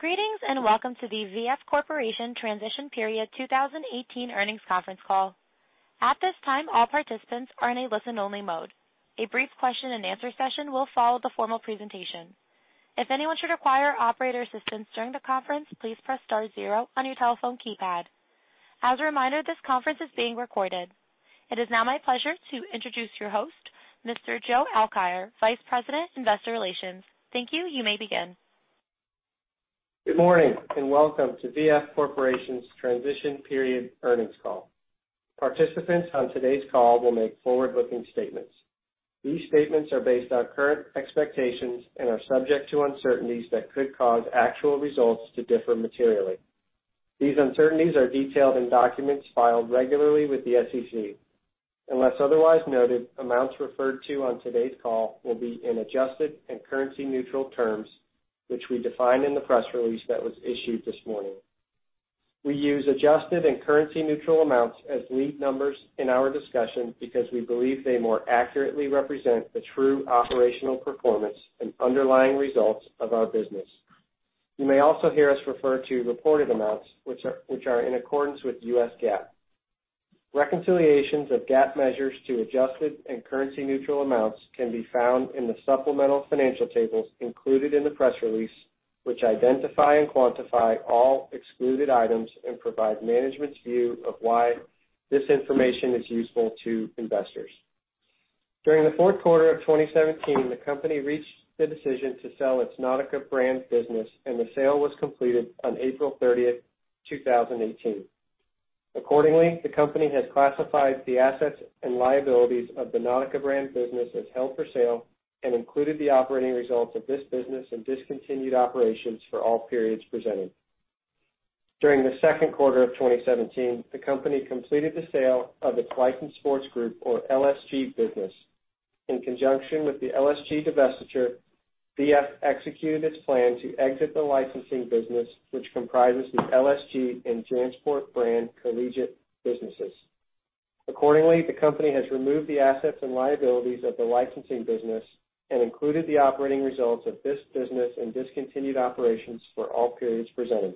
Greetings, and welcome to the V.F. Corporation Transition Period 2018 earnings conference call. At this time, all participants are in a listen-only mode. A brief question and answer session will follow the formal presentation. If anyone should require operator assistance during the conference, please press star zero on your telephone keypad. As a reminder, this conference is being recorded. It is now my pleasure to introduce your host, Mr. Joe Alkire, Vice President, Investor Relations. Thank you. You may begin. Good morning, and welcome to V.F. Corporation's Transition Period earnings call. Participants on today's call will make forward-looking statements. These statements are based on current expectations and are subject to uncertainties that could cause actual results to differ materially. These uncertainties are detailed in documents filed regularly with the SEC. Unless otherwise noted, amounts referred to on today's call will be in adjusted and currency-neutral terms, which we define in the press release that was issued this morning. We use adjusted and currency-neutral amounts as lead numbers in our discussion because we believe they more accurately represent the true operational performance and underlying results of our business. You may also hear us refer to reported amounts, which are in accordance with U.S. GAAP. Reconciliations of GAAP measures to adjusted and currency-neutral amounts can be found in the supplemental financial tables included in the press release, which identify and quantify all excluded items and provide management's view of why this information is useful to investors. During the fourth quarter of 2017, the company reached the decision to sell its Nautica brand business, and the sale was completed on April 30th, 2018. Accordingly, the company has classified the assets and liabilities of the Nautica brand business as held for sale and included the operating results of this business in discontinued operations for all periods presented. During the second quarter of 2017, the company completed the sale of its Licensed Sports Group or LSG business. In conjunction with the LSG divestiture, V.F. executed its plan to exit the licensing business, which comprises the LSG and JanSport brand collegiate businesses. Accordingly, the company has removed the assets and liabilities of the licensing business and included the operating results of this business in discontinued operations for all periods presented.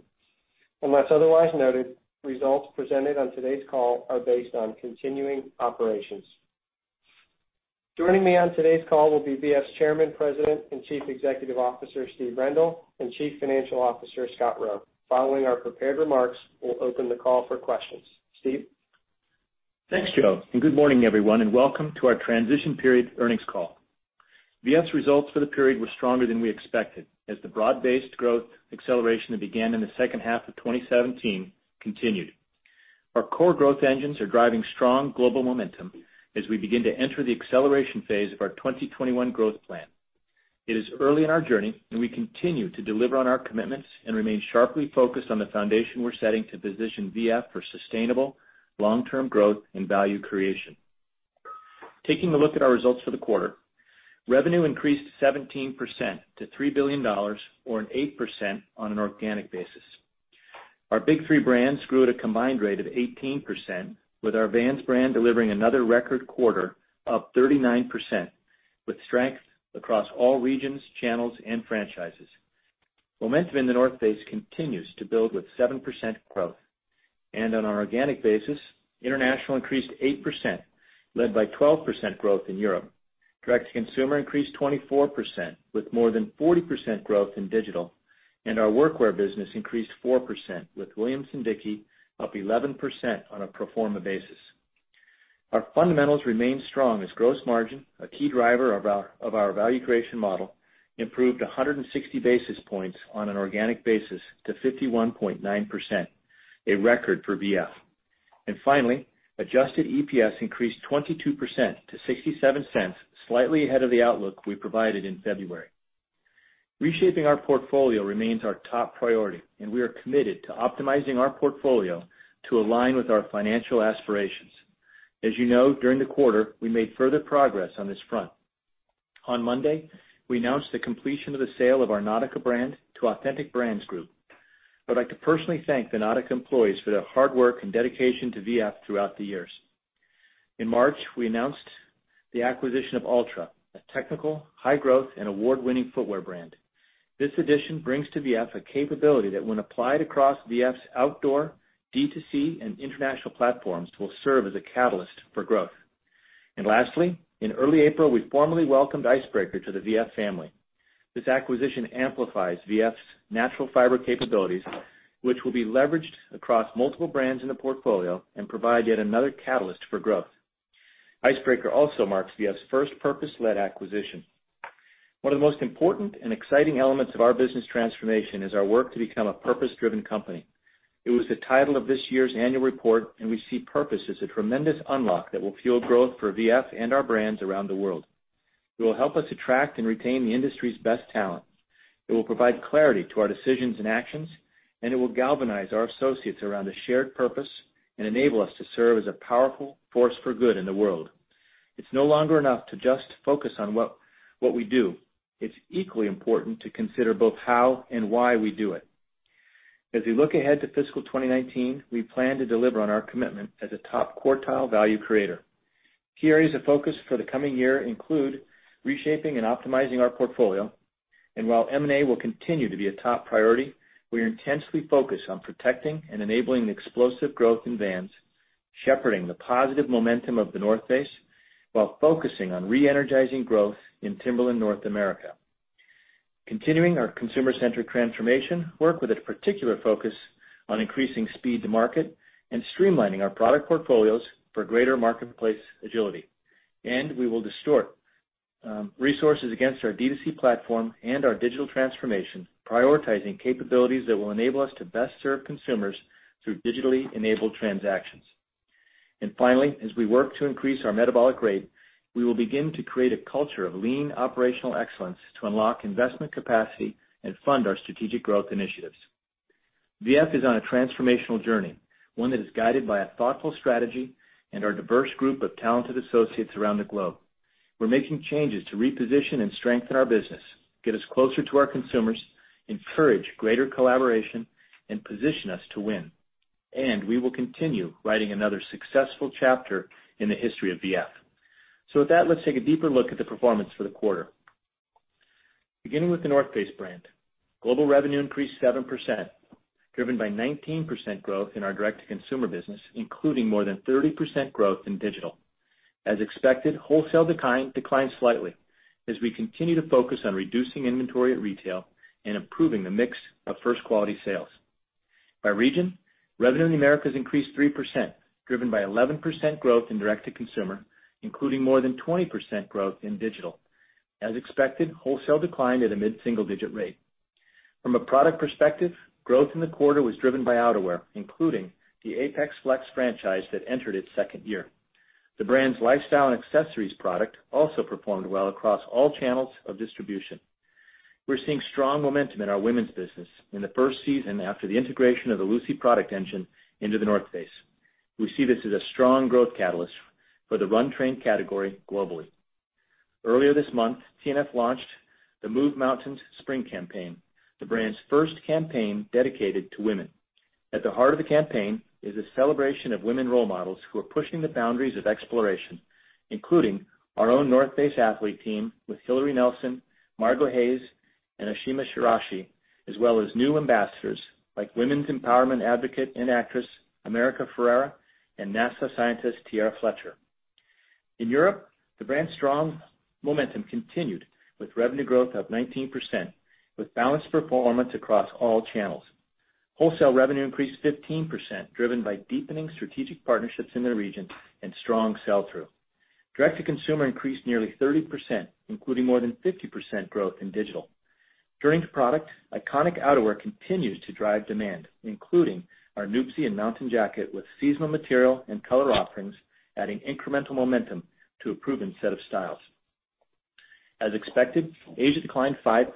Unless otherwise noted, results presented on today's call are based on continuing operations. Joining me on today's call will be V.F.'s Chairman, President, and Chief Executive Officer, Steve Rendle, and Chief Financial Officer, Scott Roe. Following our prepared remarks, we'll open the call for questions. Steve? Thanks, Joe, and good morning, everyone, and welcome to our transition period earnings call. V.F.'s results for the period were stronger than we expected as the broad-based growth acceleration that began in the second half of 2017 continued. Our core growth engines are driving strong global momentum as we begin to enter the acceleration phase of our 2021 growth plan. It is early in our journey, and we're continuing to deliver on our commitments and remain sharply focused on the foundation we're setting to position V.F. for sustainable long-term growth and value creation. Taking a look at our results for the quarter, revenue increased 17% to $3 billion or an 8% on an organic basis. Our big three brands grew at a combined rate of 18%, with our Vans brand delivering another record quarter up 39%, with strength across all regions, channels, and franchises. Momentum in The North Face continues to build with 7% growth. On an organic basis, international increased 8%, led by 12% growth in Europe. Direct-to-consumer increased 24%, with more than 40% growth in digital, and our Workwear business increased 4%, with Williamson-Dickie up 11% on a pro forma basis. Our fundamentals remain strong as gross margin, a key driver of our value creation model, improved 160 basis points on an organic basis to 51.9%, a record for V.F. Finally, adjusted EPS increased 22% to $0.67, slightly ahead of the outlook we provided in February. Reshaping our portfolio remains our top priority, and we are committed to optimizing our portfolio to align with our financial aspirations. As you know, during the quarter, we made further progress on this front. On Monday, we announced the completion of the sale of our Nautica brand to Authentic Brands Group. I'd like to personally thank the Nautica employees for their hard work and dedication to V.F. throughout the years. In March, we announced the acquisition of Altra, a technical, high-growth, and award-winning footwear brand. This addition brings to V.F. a capability that when applied across V.F.'s outdoor, D2C, and international platforms, will serve as a catalyst for growth. Lastly, in early April, we formally welcomed Icebreaker to the V.F. family. This acquisition amplifies V.F.'s natural fiber capabilities, which will be leveraged across multiple brands in the portfolio and provide yet another catalyst for growth. Icebreaker also marks V.F.'s first purpose-led acquisition. One of the most important and exciting elements of our business transformation is our work to become a purpose-driven company. It was the title of this year's annual report, and we see purpose as a tremendous unlock that will fuel growth for V.F. and our brands around the world. It will help us attract and retain the industry's best talent, it will provide clarity to our decisions and actions, and it will galvanize our associates around a shared purpose and enable us to serve as a powerful force for good in the world. It's no longer enough to just focus on what we do. It's equally important to consider both how and why we do it. As we look ahead to FY 2019, we plan to deliver on our commitment as a top quartile value creator. Key areas of focus for the coming year include reshaping and optimizing our portfolio, and while M&A will continue to be a top priority, we are intensely focused on protecting and enabling the explosive growth in Vans, shepherding the positive momentum of The North Face, while focusing on re-energizing growth in Timberland North America. Continuing our consumer-centric transformation work with a particular focus on increasing speed to market and streamlining our product portfolios for greater marketplace agility. We will distort resources against our D2C platform and our digital transformation, prioritizing capabilities that will enable us to best serve consumers through digitally enabled transactions. Finally, as we work to increase our metabolic rate, we will begin to create a culture of lean operational excellence to unlock investment capacity and fund our strategic growth initiatives. V.F. is on a transformational journey, one that is guided by a thoughtful strategy and our diverse group of talented associates around the globe. We're making changes to reposition and strengthen our business, get us closer to our consumers, encourage greater collaboration, and position us to win. We will continue writing another successful chapter in the history of V.F. With that, let's take a deeper look at the performance for the quarter. Beginning with The North Face brand, global revenue increased 7%, driven by 19% growth in our direct-to-consumer business, including more than 30% growth in digital. As expected, wholesale declined slightly as we continue to focus on reducing inventory at retail and improving the mix of first-quality sales. By region, revenue in the Americas increased 3%, driven by 11% growth in direct-to-consumer, including more than 20% growth in digital. As expected, wholesale declined at a mid-single-digit rate. From a product perspective, growth in the quarter was driven by outerwear, including the Apex Flex franchise that entered its second year. The brand's lifestyle and accessories product also performed well across all channels of distribution. We're seeing strong momentum in our women's business in the first season after the integration of the Lucy product engine into The North Face. We see this as a strong growth catalyst for the run train category globally. Earlier this month, TNF launched the Move Mountains spring campaign, the brand's first campaign dedicated to women. At the heart of the campaign is a celebration of women role models who are pushing the boundaries of exploration, including our own The North Face athlete team with Hilaree Nelson, Margo Hayes, and Ashima Shiraishi, as well as new ambassadors like women's empowerment advocate and actress America Ferrera and NASA scientist Tiera Fletcher. In Europe, the brand's strong momentum continued with revenue growth of 19%, with balanced performance across all channels. Wholesale revenue increased 15%, driven by deepening strategic partnerships in the region and strong sell-through. Direct-to-consumer increased nearly 30%, including more than 50% growth in digital. Turning to product, iconic outerwear continues to drive demand, including our Nuptse and Mountain Jacket with seasonal material and color offerings, adding incremental momentum to a proven set of styles. As expected, Asia declined 5%.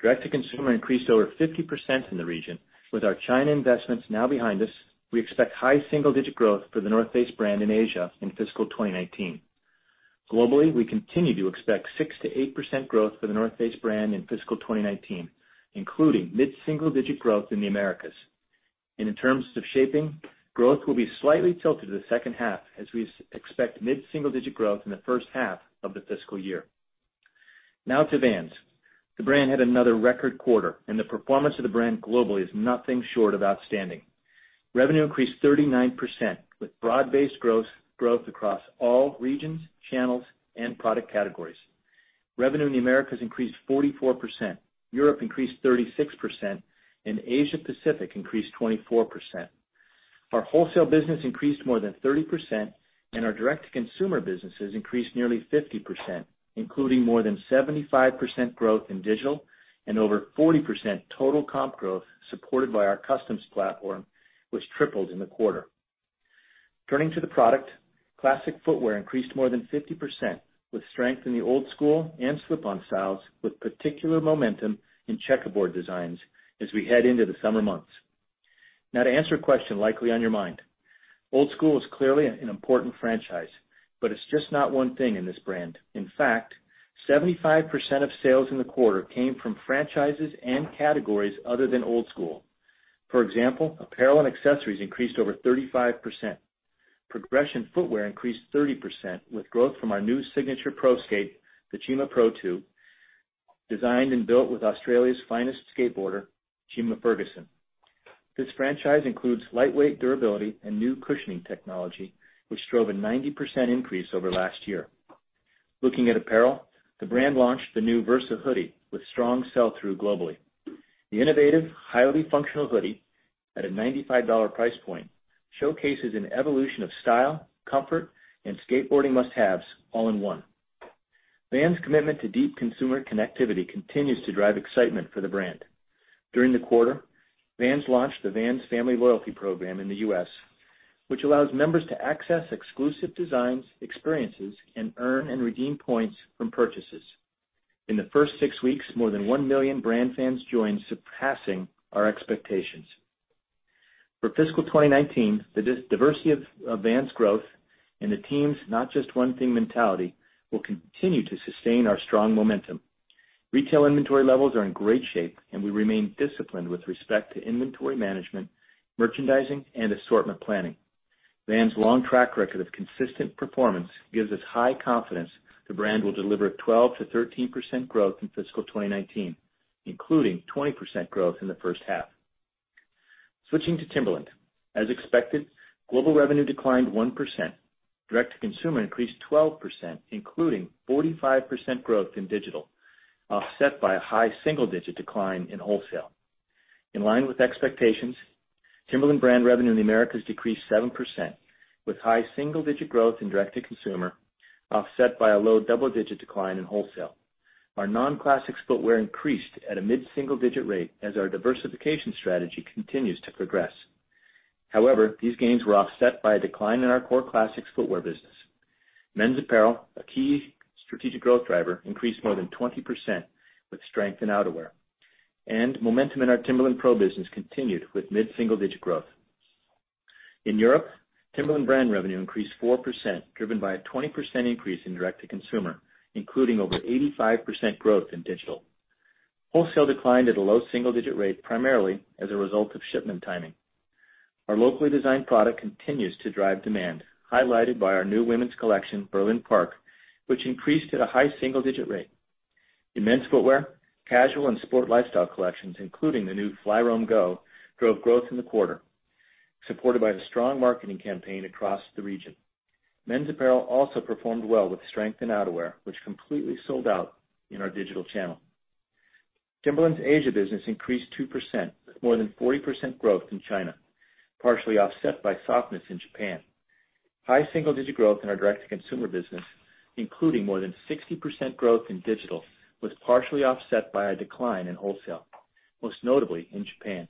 Direct-to-consumer increased over 50% in the region. With our China investments now behind us, we expect high single-digit growth for The North Face brand in Asia in fiscal 2019. Globally, we continue to expect 6%-8% growth for The North Face brand in fiscal 2019, including mid-single-digit growth in the Americas. In terms of shaping, growth will be slightly tilted to the second half, as we expect mid-single-digit growth in the first half of the fiscal year. To Vans. The brand had another record quarter, the performance of the brand globally is nothing short of outstanding. Revenue increased 39%, with broad-based growth across all regions, channels, and product categories. Revenue in the Americas increased 44%, Europe increased 36%, and Asia Pacific increased 24%. Our wholesale business increased more than 30%, and our direct-to-consumer businesses increased nearly 50%, including more than 75% growth in digital and over 40% total comp growth, supported by our customs platform, which tripled in the quarter. Turning to the product, classic footwear increased more than 50%, with strength in the Old Skool and slip-on styles, with particular momentum in checkerboard designs as we head into the summer months. Now to answer a question likely on your mind. Old Skool is clearly an important franchise, it's just not one thing in this brand. In fact, 75% of sales in the quarter came from franchises and categories other than Old Skool. For example, apparel and accessories increased over 35%. Progression footwear increased 30%, with growth from our new signature pro skate, the Chima Pro 2, designed and built with Australia's finest skateboarder, Chima Ferguson. This franchise includes lightweight durability and new cushioning technology, which drove a 90% increase over last year. Looking at apparel, the brand launched the new Versa hoodie with strong sell-through globally. The innovative, highly functional hoodie, at a $95 price point, showcases an evolution of style, comfort, and skateboarding must-haves all in one. Vans' commitment to deep consumer connectivity continues to drive excitement for the brand. During the quarter, Vans launched the Vans Family Loyalty Program in the U.S., which allows members to access exclusive designs, experiences, and earn and redeem points from purchases. In the first six weeks, more than 1 million brand fans joined, surpassing our expectations. For fiscal 2019, the diversity of Vans growth and the team's not just one thing mentality will continue to sustain our strong momentum. Retail inventory levels are in great shape, we remain disciplined with respect to inventory management, merchandising, and assortment planning. Vans' long track record of consistent performance gives us high confidence the brand will deliver 12%-13% growth in fiscal 2019, including 20% growth in the first half. Switching to Timberland. As expected, global revenue declined 1%. Direct-to-consumer increased 12%, including 45% growth in digital, offset by a high single-digit decline in wholesale. In line with expectations, Timberland brand revenue in the Americas decreased 7%, with high single-digit growth in direct-to-consumer offset by a low double-digit decline in wholesale. Our non-classics footwear increased at a mid-single-digit rate as our diversification strategy continues to progress. These gains were offset by a decline in our core classics footwear business. Men's apparel, a key strategic growth driver, increased more than 20% with strength in outerwear. Momentum in our Timberland PRO business continued with mid-single-digit growth. In Europe, Timberland brand revenue increased 4%, driven by a 20% increase in direct-to-consumer, including over 85% growth in digital. Wholesale declined at a low single-digit rate, primarily as a result of shipment timing. Our locally designed product continues to drive demand, highlighted by our new women's collection, Berlin Park, which increased at a high single-digit rate. In men's footwear, casual and sport lifestyle collections, including the new FlyRoam Go, drove growth in the quarter, supported by the strong marketing campaign across the region. Men's apparel also performed well with strength in outerwear, which completely sold out in our digital channel. Timberland's Asia business increased 2%, with more than 40% growth in China, partially offset by softness in Japan. High single-digit growth in our direct-to-consumer business, including more than 60% growth in digital, was partially offset by a decline in wholesale, most notably in Japan.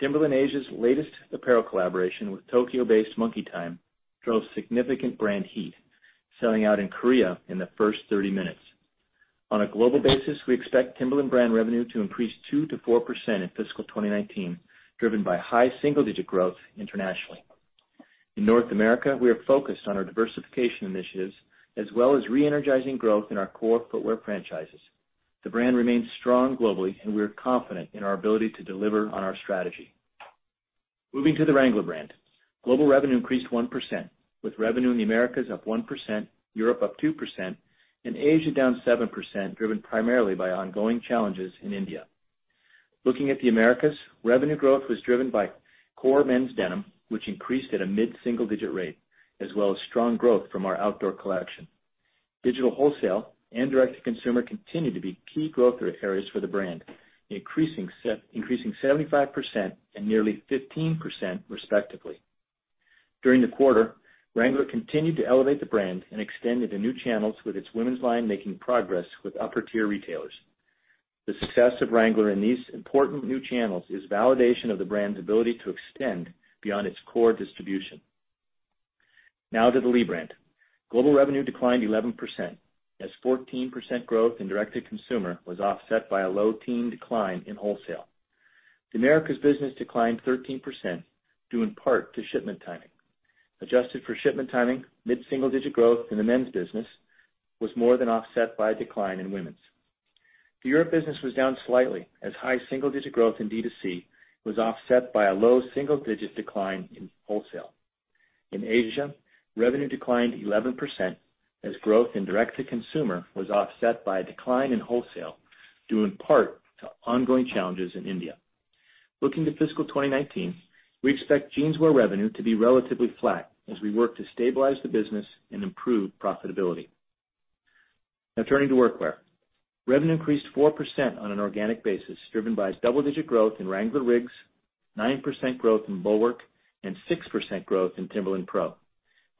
Timberland Asia's latest apparel collaboration with Tokyo-based monkey time drove significant brand heat, selling out in Korea in the first 30 minutes. On a global basis, we expect Timberland brand revenue to increase 2%-4% in fiscal 2019, driven by high single-digit growth internationally. In North America, we are focused on our diversification initiatives as well as re-energizing growth in our core footwear franchises. The brand remains strong globally, and we are confident in our ability to deliver on our strategy. Moving to the Wrangler brand. Global revenue increased 1%, with revenue in the Americas up 1%, Europe up 2%, and Asia down 7%, driven primarily by ongoing challenges in India. Looking at the Americas, revenue growth was driven by core men's denim, which increased at a mid-single-digit rate, as well as strong growth from our outdoor collection. Digital wholesale and direct-to-consumer continue to be key growth areas for the brand, increasing 75% and nearly 15%, respectively. During the quarter, Wrangler continued to elevate the brand and extend into new channels with its women's line making progress with upper-tier retailers. The success of Wrangler in these important new channels is validation of the brand's ability to extend beyond its core distribution. Now to the Lee brand. Global revenue declined 11%, as 14% growth in direct-to-consumer was offset by a low teen decline in wholesale. The Americas business declined 13%, due in part to shipment timing. Adjusted for shipment timing, mid-single-digit growth in the men's business was more than offset by a decline in women's. The Europe business was down slightly as high single-digit growth in D2C was offset by a low single-digit decline in wholesale. In Asia, revenue declined 11%, as growth in direct-to-consumer was offset by a decline in wholesale, due in part to ongoing challenges in India. Looking to fiscal 2019, we expect Jeanswear revenue to be relatively flat as we work to stabilize the business and improve profitability. Now turning to Workwear. Revenue increased 4% on an organic basis, driven by double-digit growth in Wrangler RIGGS, 9% growth in Bulwark, and 6% growth in Timberland PRO.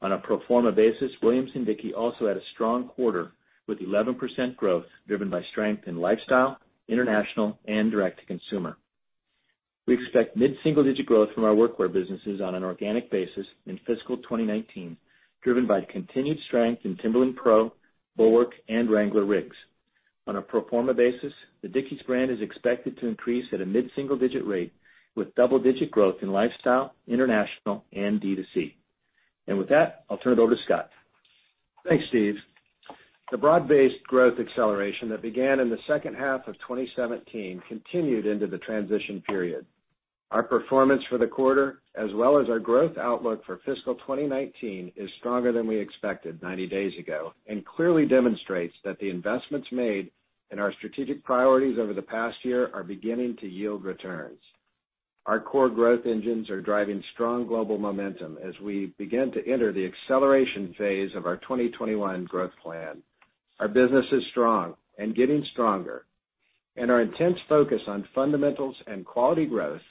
On a pro forma basis, Williamson-Dickie also had a strong quarter, with 11% growth driven by strength in Lifestyle, International, and direct-to-consumer. We expect mid-single-digit growth from our Workwear businesses on an organic basis in fiscal 2019, driven by continued strength in Timberland PRO, Bulwark, and Wrangler RIGGS. On a pro forma basis, the Dickies brand is expected to increase at a mid-single-digit rate with double-digit growth in Lifestyle, International, and D2C. With that, I'll turn it over to Scott. Thanks, Steve. The broad-based growth acceleration that began in the second half of 2017 continued into the transition period. Our performance for the quarter, as well as our growth outlook for fiscal 2019, is stronger than we expected 90 days ago and clearly demonstrates that the investments made in our strategic priorities over the past year are beginning to yield returns. Our core growth engines are driving strong global momentum as we begin to enter the acceleration phase of our 2021 growth plan. Our business is strong and getting stronger, and our intense focus on fundamentals and quality growth,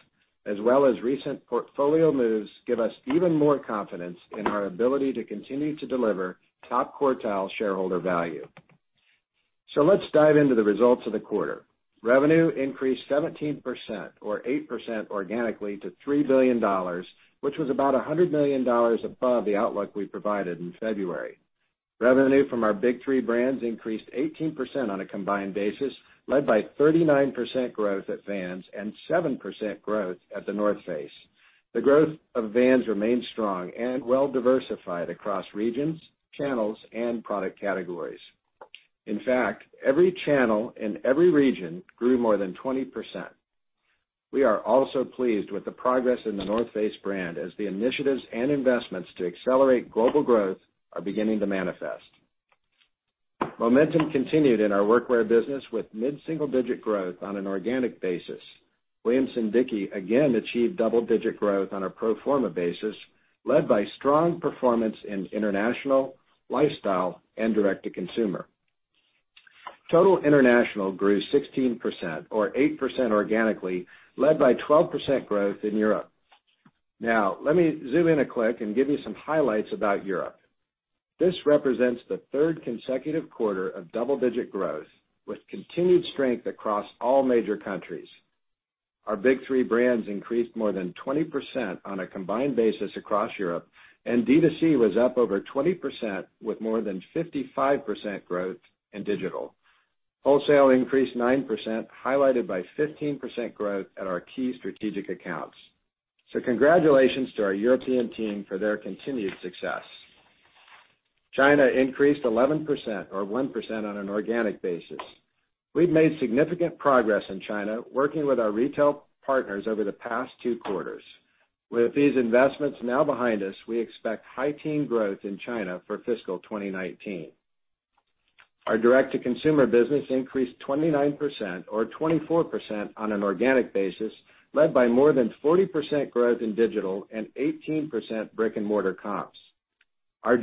as well as recent portfolio moves, give us even more confidence in our ability to continue to deliver top-quartile shareholder value. Let's dive into the results of the quarter. Revenue increased 17%, or 8% organically, to $3 billion, which was about $100 million above the outlook we provided in February. Revenue from our big three brands increased 18% on a combined basis, led by 39% growth at Vans and 7% growth at The North Face. The growth of Vans remains strong and well-diversified across regions, channels, and product categories. In fact, every channel in every region grew more than 20%. We are also pleased with the progress in The North Face brand as the initiatives and investments to accelerate global growth are beginning to manifest. Momentum continued in our Workwear business with mid-single-digit growth on an organic basis. Williamson-Dickie again achieved double-digit growth on a pro forma basis, led by strong performance in international, lifestyle, and direct-to-consumer. Total international grew 16%, or 8% organically, led by 12% growth in Europe. Let me zoom in a click and give you some highlights about Europe. This represents the third consecutive quarter of double-digit growth with continued strength across all major countries. Our big three brands increased more than 20% on a combined basis across Europe, and D2C was up over 20% with more than 55% growth in digital. Wholesale increased 9%, highlighted by 15% growth at our key strategic accounts. Congratulations to our European team for their continued success. China increased 11%, or 1% on an organic basis. We've made significant progress in China, working with our retail partners over the past two quarters. With these investments now behind us, we expect high teen growth in China for fiscal 2019. Our direct-to-consumer business increased 29%, or 24% on an organic basis, led by more than 40% growth in digital and 18% brick-and-mortar comps. Our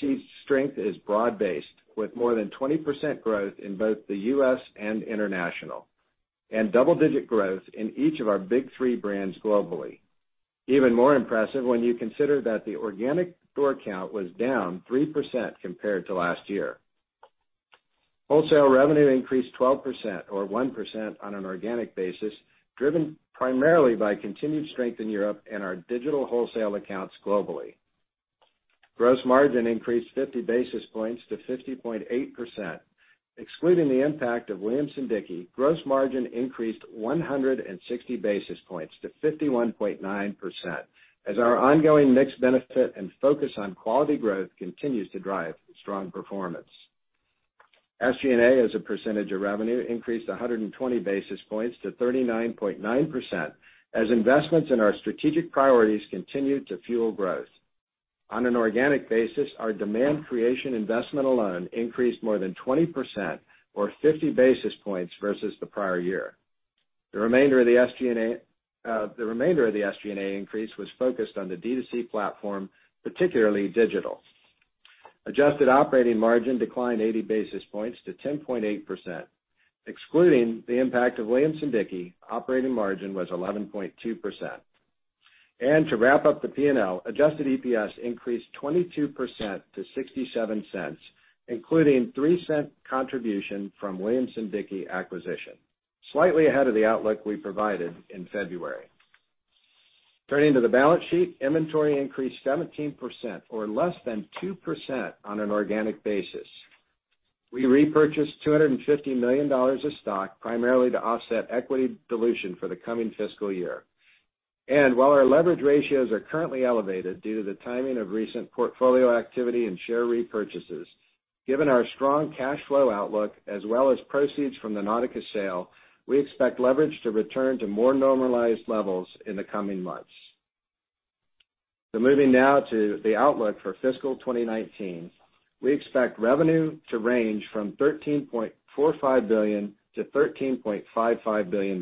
D2C strength is broad-based, with more than 20% growth in both the U.S. and international, and double-digit growth in each of our big three brands globally. Even more impressive when you consider that the organic store count was down 3% compared to last year. Wholesale revenue increased 12%, or 1% on an organic basis, driven primarily by continued strength in Europe and our digital wholesale accounts globally. Gross margin increased 50 basis points to 50.8%. Excluding the impact of Williamson-Dickie, gross margin increased 160 basis points to 51.9% as our ongoing mix benefit and focus on quality growth continues to drive strong performance. SG&A, as a percentage of revenue, increased 120 basis points to 39.9% as investments in our strategic priorities continued to fuel growth. On an organic basis, our demand creation investment alone increased more than 20%, or 50 basis points versus the prior year. The remainder of the SG&A increase was focused on the D2C platform, particularly digital. Adjusted operating margin declined 80 basis points to 10.8%. Excluding the impact of Williamson-Dickie, operating margin was 11.2%. To wrap up the P&L, adjusted EPS increased 22% to $0.67, including $0.03 contribution from Williamson-Dickie acquisition, slightly ahead of the outlook we provided in February. Turning to the balance sheet, inventory increased 17%, or less than 2% on an organic basis. We repurchased $250 million of stock, primarily to offset equity dilution for the coming fiscal year. While our leverage ratios are currently elevated due to the timing of recent portfolio activity and share repurchases, given our strong cash flow outlook as well as proceeds from the Nautica sale, we expect leverage to return to more normalized levels in the coming months. Moving now to the outlook for fiscal 2019. We expect revenue to range from $13.45 billion-$13.55 billion,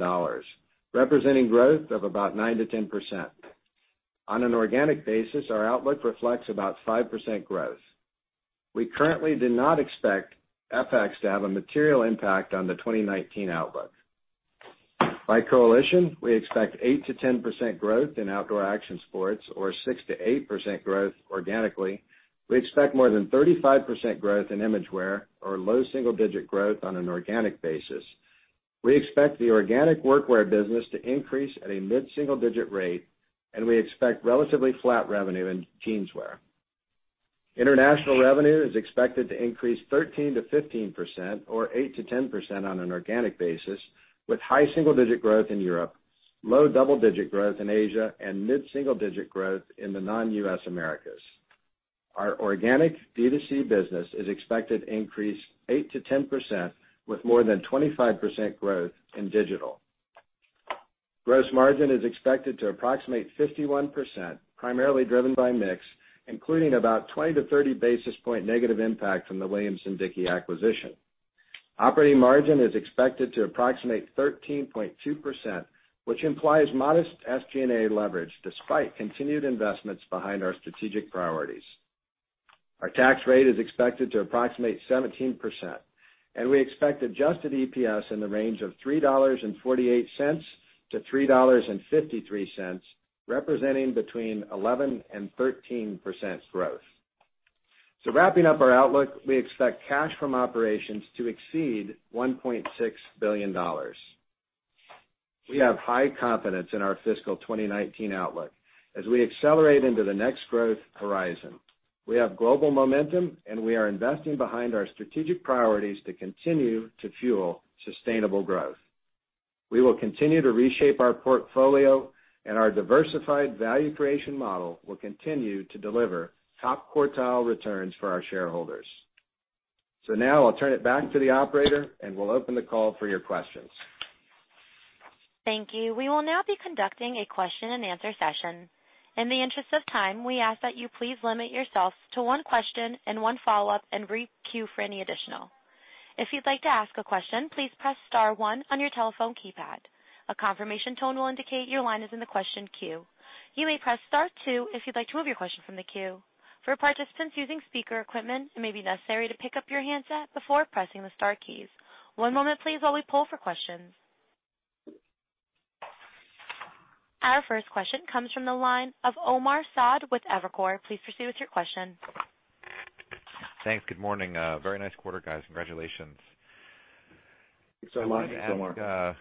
representing growth of about 9%-10%. On an organic basis, our outlook reflects about 5% growth. We currently do not expect FX to have a material impact on the 2019 outlook. By coalition, we expect 8%-10% growth in Outdoor & Action Sports or 6%-8% growth organically. We expect more than 35% growth in Imagewear or low double-digit growth on an organic basis. We expect the organic Workwear business to increase at a mid-single-digit rate, and we expect relatively flat revenue in Jeanswear. International revenue is expected to increase 13%-15%, or 8%-10% on an organic basis, with high single-digit growth in Europe, low double-digit growth in Asia, and mid-single-digit growth in the non-U.S. Americas. Our organic D2C business is expected to increase 8%-10%, with more than 25% growth in digital. Gross margin is expected to approximate 51%, primarily driven by mix, including about 20-30 basis point negative impact from the Williamson-Dickie acquisition. Operating margin is expected to approximate 13.2%, which implies modest SG&A leverage despite continued investments behind our strategic priorities. Our tax rate is expected to approximate 17%. We expect adjusted EPS in the range of $3.48-$3.53, representing between 11% and 13% growth. Wrapping up our outlook, we expect cash from operations to exceed $1.6 billion. We have high confidence in our fiscal 2019 outlook as we accelerate into the next growth horizon. We have global momentum. We are investing behind our strategic priorities to continue to fuel sustainable growth. We will continue to reshape our portfolio, and our diversified value creation model will continue to deliver top-quartile returns for our shareholders. Now I'll turn it back to the operator. We'll open the call for your questions. Thank you. We will now be conducting a question and answer session. In the interest of time, we ask that you please limit yourself to one question and one follow-up and re-queue for any additional. If you'd like to ask a question, please press star one on your telephone keypad. A confirmation tone will indicate your line is in the question queue. You may press star two if you'd like to remove your question from the queue. For participants using speaker equipment, it may be necessary to pick up your handset before pressing the star keys. One moment please while we poll for questions. Our first question comes from the line of Omar Saad with Evercore. Please proceed with your question. Thanks. Good morning. A very nice quarter, guys. Congratulations. Thanks so much, Omar.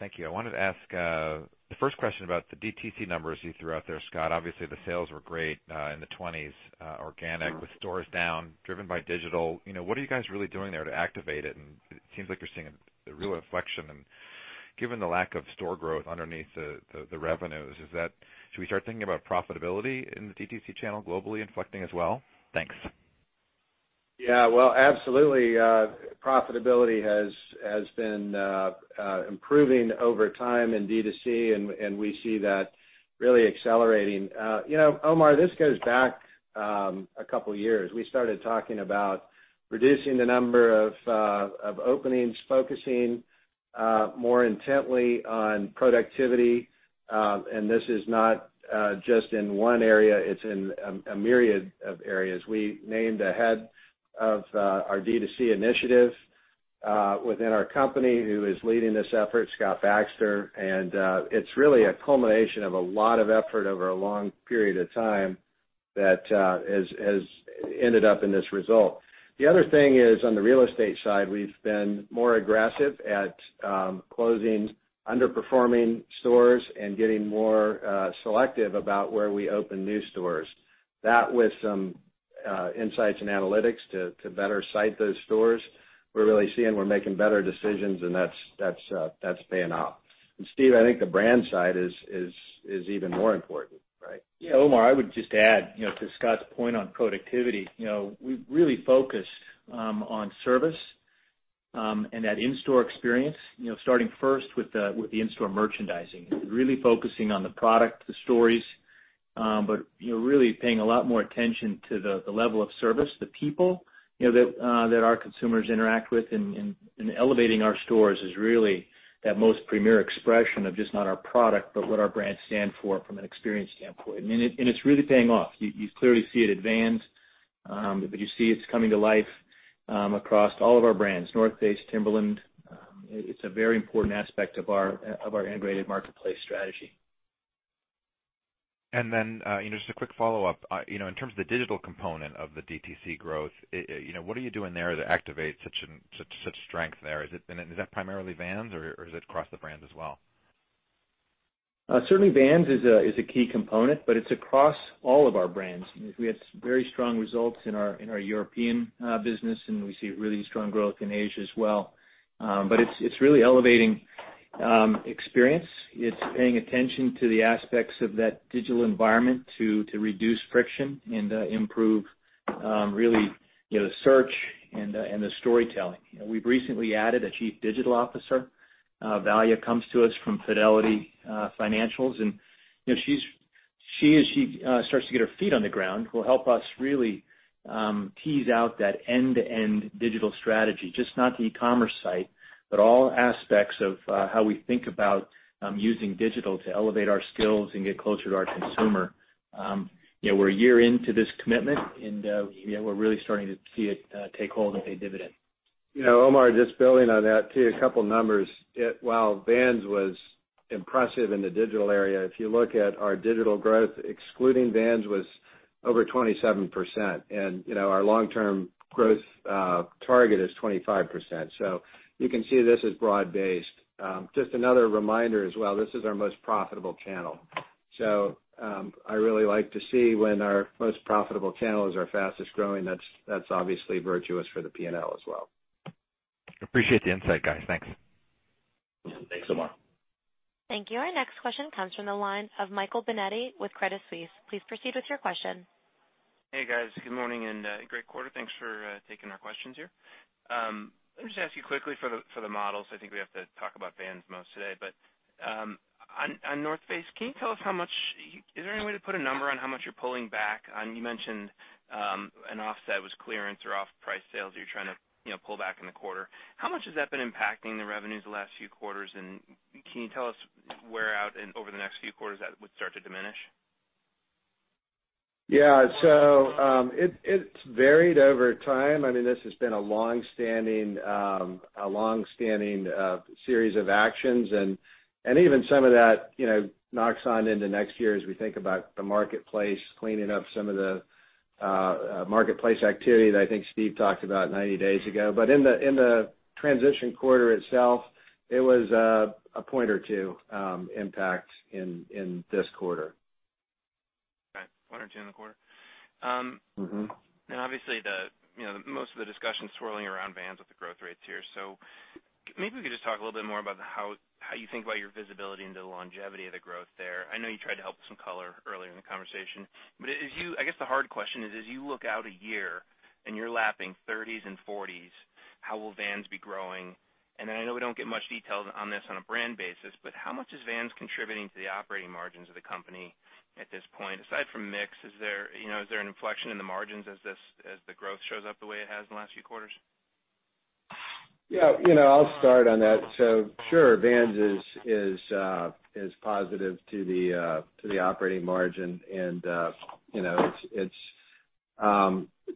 Thank you. I wanted to ask the first question about the DTC numbers you threw out there, Scott. Obviously, the sales were great in the 20s organic with stores down, driven by digital. It seems like you're seeing a real inflection. Given the lack of store growth underneath the revenues, should we start thinking about profitability in the DTC channel globally inflecting as well? Thanks. Well, absolutely. Profitability has been improving over time in D2C, and we see that really accelerating. Omar, this goes back a couple of years. We started talking about reducing the number of openings, focusing more intently on productivity. This is not just in one area, it's in a myriad of areas. We named a head of our D2C initiative within our company, who is leading this effort, Scott Baxter. It's really a culmination of a lot of effort over a long period of time that has ended up in this result. The other thing is, on the real estate side, we've been more aggressive at closing underperforming stores and getting more selective about where we open new stores. That with some insights and analytics to better site those stores, we're really seeing we're making better decisions, and that's paying off. Steve, I think the brand side is even more important, right? Omar, I would just add to Scott's point on productivity. We've really focused on service, and that in-store experience, starting first with the in-store merchandising. Really focusing on the product, the stories, but really paying a lot more attention to the level of service, the people that our consumers interact with. Elevating our stores is really that most premier expression of just not our product, but what our brands stand for from an experience standpoint. It's really paying off. You clearly see it advanced, but you see it's coming to life across all of our brands, The North Face, Timberland. It's a very important aspect of our integrated marketplace strategy. Just a quick follow-up. In terms of the digital component of the DTC growth, what are you doing there to activate such strength there? Is that primarily Vans, or is it across the brands as well? Certainly Vans is a key component, but it's across all of our brands. We had very strong results in our European business, and we see really strong growth in Asia as well. It's really elevating experience. It's paying attention to the aspects of that digital environment to reduce friction and improve really the search and the storytelling. We've recently added a chief digital officer. Velia comes to us from Fidelity Investments, and as she starts to get her feet on the ground, will help us really tease out that end-to-end digital strategy. Just not the e-commerce site, but all aspects of how we think about using digital to elevate our skills and get closer to our consumer. We're a year into this commitment, and we're really starting to see it take hold and pay dividends. Omar, just building on that too, a couple of numbers. While Vans was impressive in the digital area, if you look at our digital growth, excluding Vans was over 27%, and our long-term growth target is 25%. You can see this is broad based. Just another reminder as well, this is our most profitable channel. I really like to see when our most profitable channel is our fastest-growing. That's obviously virtuous for the P&L as well. Appreciate the insight, guys. Thanks. Thanks, Omar. Thank you. Our next question comes from the line of Michael Binetti with Credit Suisse. Please proceed with your question. Hey, guys. Good morning and great quarter. Thanks for taking our questions here. Let me just ask you quickly for the models. I think we have to talk about Vans most today. On North Face, is there any way to put a number on how much you're pulling back? You mentioned an offset was clearance or off-price sales you're trying to pull back in the quarter. How much has that been impacting the revenues the last few quarters, and can you tell us where out in over the next few quarters that would start to diminish? Yeah. It's varied over time. This has been a longstanding series of actions, and even some of that knocks on into next year as we think about the marketplace cleaning up some of the marketplace activity that I think Steve talked about 90 days ago. In the transition quarter itself, it was a point or two impact in this quarter. Okay. One or two in the quarter. Obviously, most of the discussion swirling around Vans with the growth rates here. Maybe we could just talk a little bit more about how you think about your visibility into the longevity of the growth there. I know you tried to help with some color earlier in the conversation, but I guess the hard question is as you look out a year and you're lapping 30s and 40s, how will Vans be growing? I know we don't get much details on this on a brand basis, but how much is Vans contributing to the operating margins of the company at this point? Aside from mix, is there an inflection in the margins as the growth shows up the way it has in the last few quarters? I'll start on that. Sure, Vans is positive to the operating margin and it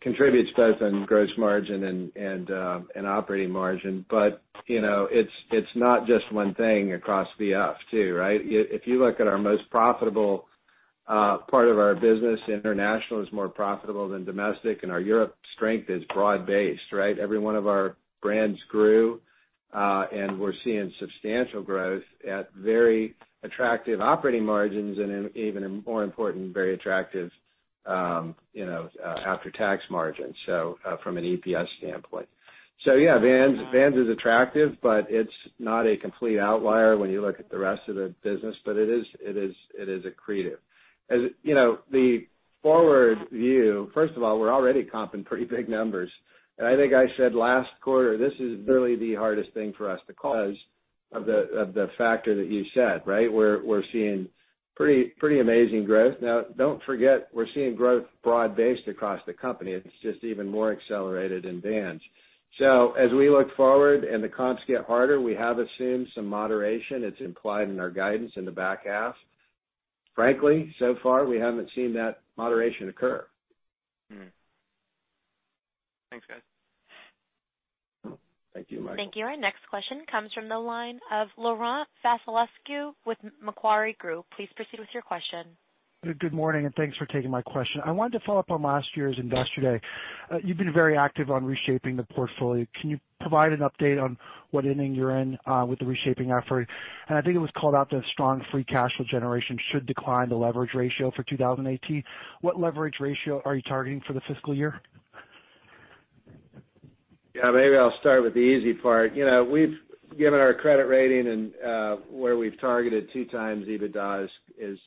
contributes both in gross margin and operating margin. It's not just one thing across V.F. too, right? If you look at our most profitable part of our business, international is more profitable than domestic, and our Europe strength is broad-based, right? Every one of our brands grew, and we're seeing substantial growth at very attractive operating margins and even more important, very attractive after-tax margin from an EPS standpoint. Vans is attractive, but it's not a complete outlier when you look at the rest of the business, but it is accretive. The forward view, first of all, we're already comping pretty big numbers. I think I said last quarter, this is really the hardest thing for us to call because of the factor that you said, right? We're seeing pretty amazing growth. Don't forget, we're seeing growth broad-based across the company. It's just even more accelerated in Vans. As we look forward and the comps get harder, we have assumed some moderation. It's implied in our guidance in the back half. Frankly, so far, we haven't seen that moderation occur. Thanks, guys. Thank you, Michael. Thank you. Our next question comes from the line of Laurent Vasilescu with Macquarie Group. Please proceed with your question. Good morning, and thanks for taking my question. I wanted to follow up on last year's Investor Day. You've been very active on reshaping the portfolio. Can you provide an update on what inning you're in with the reshaping effort? I think it was called out that strong free cash flow generation should decline the leverage ratio for 2018. What leverage ratio are you targeting for the fiscal year? Yeah. Maybe I'll start with the easy part. Given our credit rating and where we've targeted 2 times EBITDA is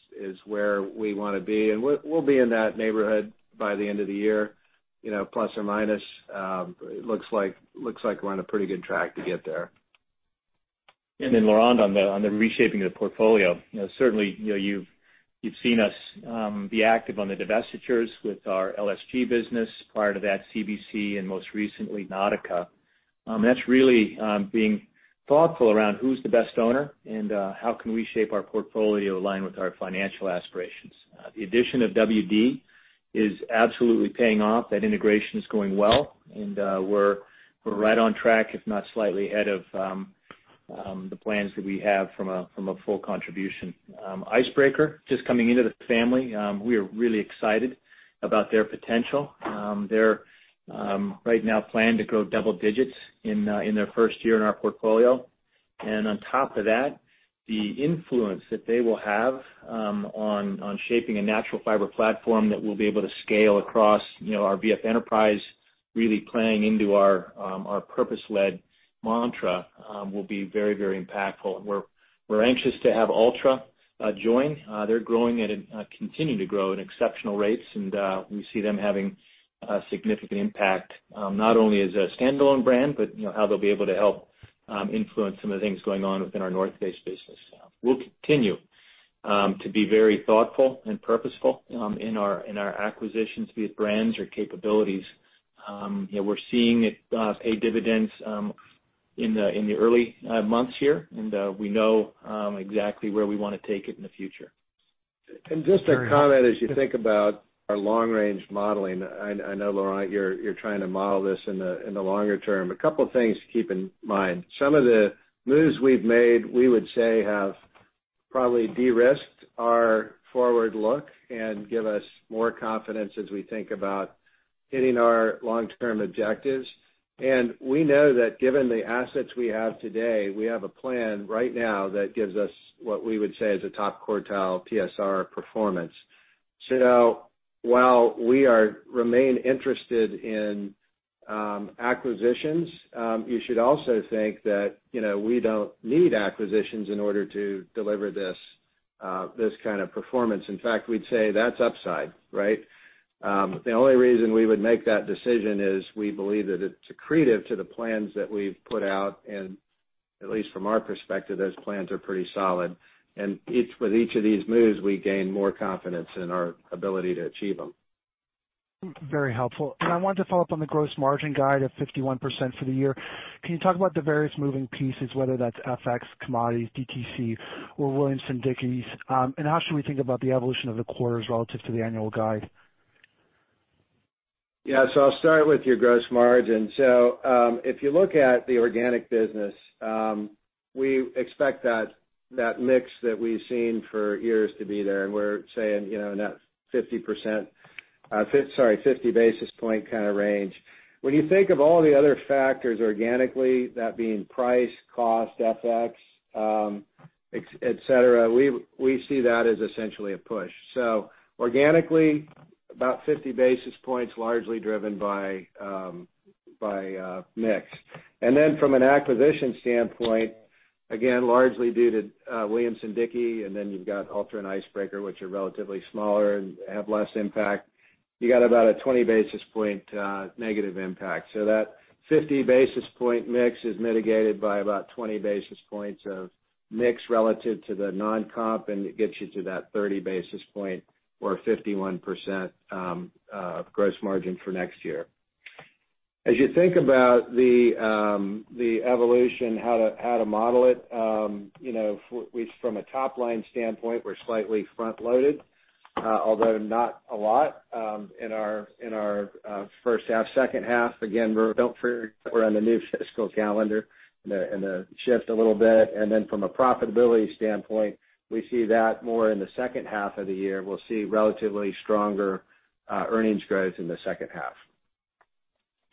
where we want to be, and we'll be in that neighborhood by the end of the year, plus or minus. It looks like we're on a pretty good track to get there. Laurent, on the reshaping of the portfolio. Certainly, you've seen us be active on the divestitures with our LSG business, prior to that CBC, and most recently Nautica. That's really being thoughtful around who's the best owner and how can we shape our portfolio aligned with our financial aspirations. The addition of WD is absolutely paying off. That integration is going well, and we're right on track, if not slightly ahead of the plans that we have from a full contribution. Icebreaker, just coming into the family. We are really excited about their potential. They're, right now, planning to grow double digits in their first year in our portfolio. On top of that, the influence that they will have on shaping a natural fiber platform that we'll be able to scale across our VF enterprise, really playing into our purpose-led mantra, will be very, very impactful. We're anxious to have Altra join. They're growing and continue to grow at exceptional rates, and we see them having a significant impact, not only as a standalone brand, but how they'll be able to help influence some of the things going on within our North Face business. We'll continue to be very thoughtful and purposeful in our acquisitions, be it brands or capabilities. We're seeing it pay dividends in the early months here, and we know exactly where we want to take it in the future. Just a comment, as you think about our long-range modeling. I know, Laurent, you're trying to model this in the longer term. A couple of things to keep in mind. Some of the moves we've made, we would say, have probably de-risked our forward look and give us more confidence as we think about hitting our long-term objectives. We know that given the assets we have today, we have a plan right now that gives us what we would say is a top quartile TSR performance. While we remain interested in acquisitions, you should also think that we don't need acquisitions in order to deliver this kind of performance. In fact, we'd say that's upside, right? The only reason we would make that decision is we believe that it's accretive to the plans that we've put out, and at least from our perspective, those plans are pretty solid. With each of these moves, we gain more confidence in our ability to achieve them. Very helpful. I wanted to follow up on the gross margin guide of 51% for the year. Can you talk about the various moving pieces, whether that's FX, commodities, DTC or Williamson-Dickie? How should we think about the evolution of the quarters relative to the annual guide? I'll start with your gross margin. If you look at the organic business, we expect that mix that we've seen for years to be there, and we're saying in that 50 basis point kind of range. When you think of all the other factors organically, that being price, cost, FX, et cetera, we see that as essentially a push. Organically, about 50 basis points, largely driven by mix. Then from an acquisition standpoint, again, largely due to Williamson-Dickie, and then you've got Altra and Icebreaker, which are relatively smaller and have less impact. You got about a 20 basis point negative impact. That 50 basis point mix is mitigated by about 20 basis points of mix relative to the non-comp, and it gets you to that 30 basis point or 51% of gross margin for next year. As you think about the evolution, how to model it. From a top-line standpoint, we're slightly front-loaded although not a lot in our first half. Second half, again, don't forget that we're on the new fiscal calendar and the shift a little bit. Then from a profitability standpoint, we see that more in the second half of the year. We'll see relatively stronger earnings growth in the second half.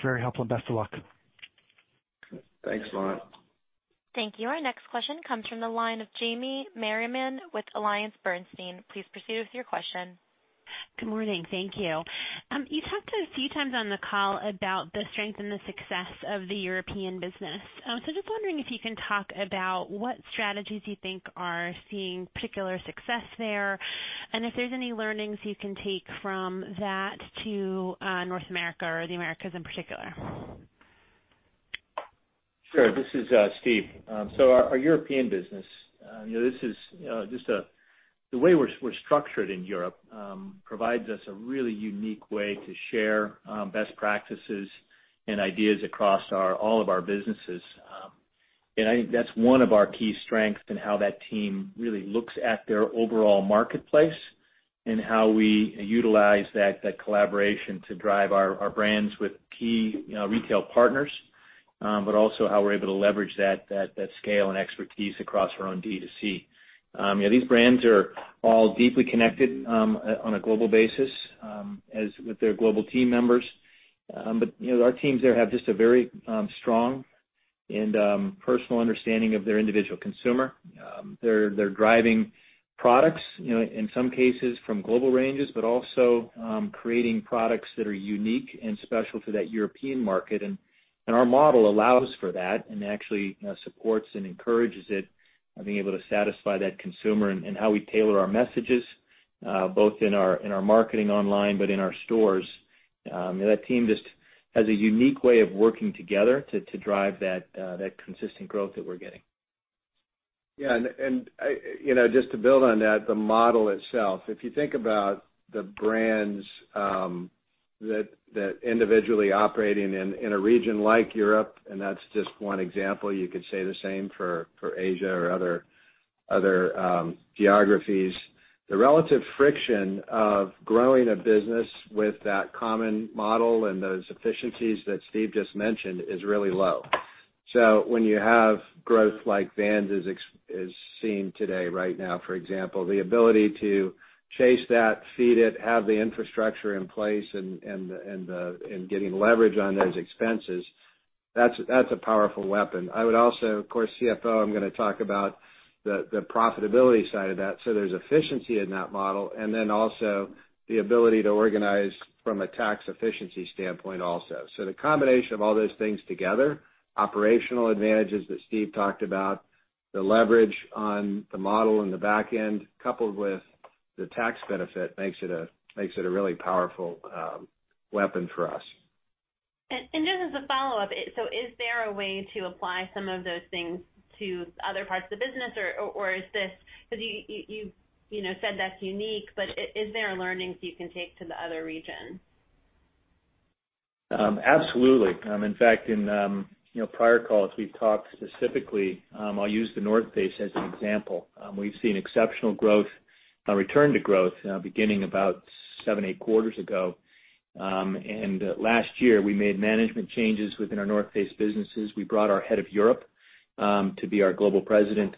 Very helpful. Best of luck. Thanks a lot. Thank you. Our next question comes from the line of Jamie Merriman with AllianceBernstein. Please proceed with your question. Good morning. Thank you. You talked a few times on the call about the strength and the success of the European business. Just wondering if you can talk about what strategies you think are seeing particular success there, and if there's any learnings you can take from that to North America or the Americas in particular. Sure. This is Steve. Our European business. The way we're structured in Europe provides us a really unique way to share best practices and ideas across all of our businesses. I think that's one of our key strengths in how that team really looks at their overall marketplace and how we utilize that collaboration to drive our brands with key retail partners, also how we're able to leverage that scale and expertise across our own D2C. These brands are all deeply connected on a global basis with their global team members. Our teams there have just a very strong and personal understanding of their individual consumer. They're driving products, in some cases from global ranges, but also creating products that are unique and special to that European market. Our model allows for that and actually supports and encourages it, and being able to satisfy that consumer and how we tailor our messages, both in our marketing online, but in our stores. That team just has a unique way of working together to drive that consistent growth that we're getting. Yeah. Just to build on that, the model itself, if you think about the brands that individually operating in a region like Europe, and that's just one example, you could say the same for Asia or other geographies. The relative friction of growing a business with that common model and those efficiencies that Steve just mentioned is really low. When you have growth like Vans is seeing today right now, for example, the ability to chase that, feed it, have the infrastructure in place and getting leverage on those expenses, that's a powerful weapon. I would also, of course, CFO, I'm going to talk about the profitability side of that. There's efficiency in that model, and then also the ability to organize from a tax efficiency standpoint also. The combination of all those things together, operational advantages that Steve talked about, the leverage on the model in the back end, coupled with the tax benefit, makes it a really powerful weapon for us. Just as a follow-up. Is there a way to apply some of those things to other parts of the business? Because you said that's unique, but are there learnings you can take to the other regions? Absolutely. In fact, in prior calls, we've talked specifically, I'll use The North Face as an example. We've seen exceptional return to growth beginning about seven, eight quarters ago. Last year, we made management changes within our North Face businesses. We brought our head of Europe to be our global president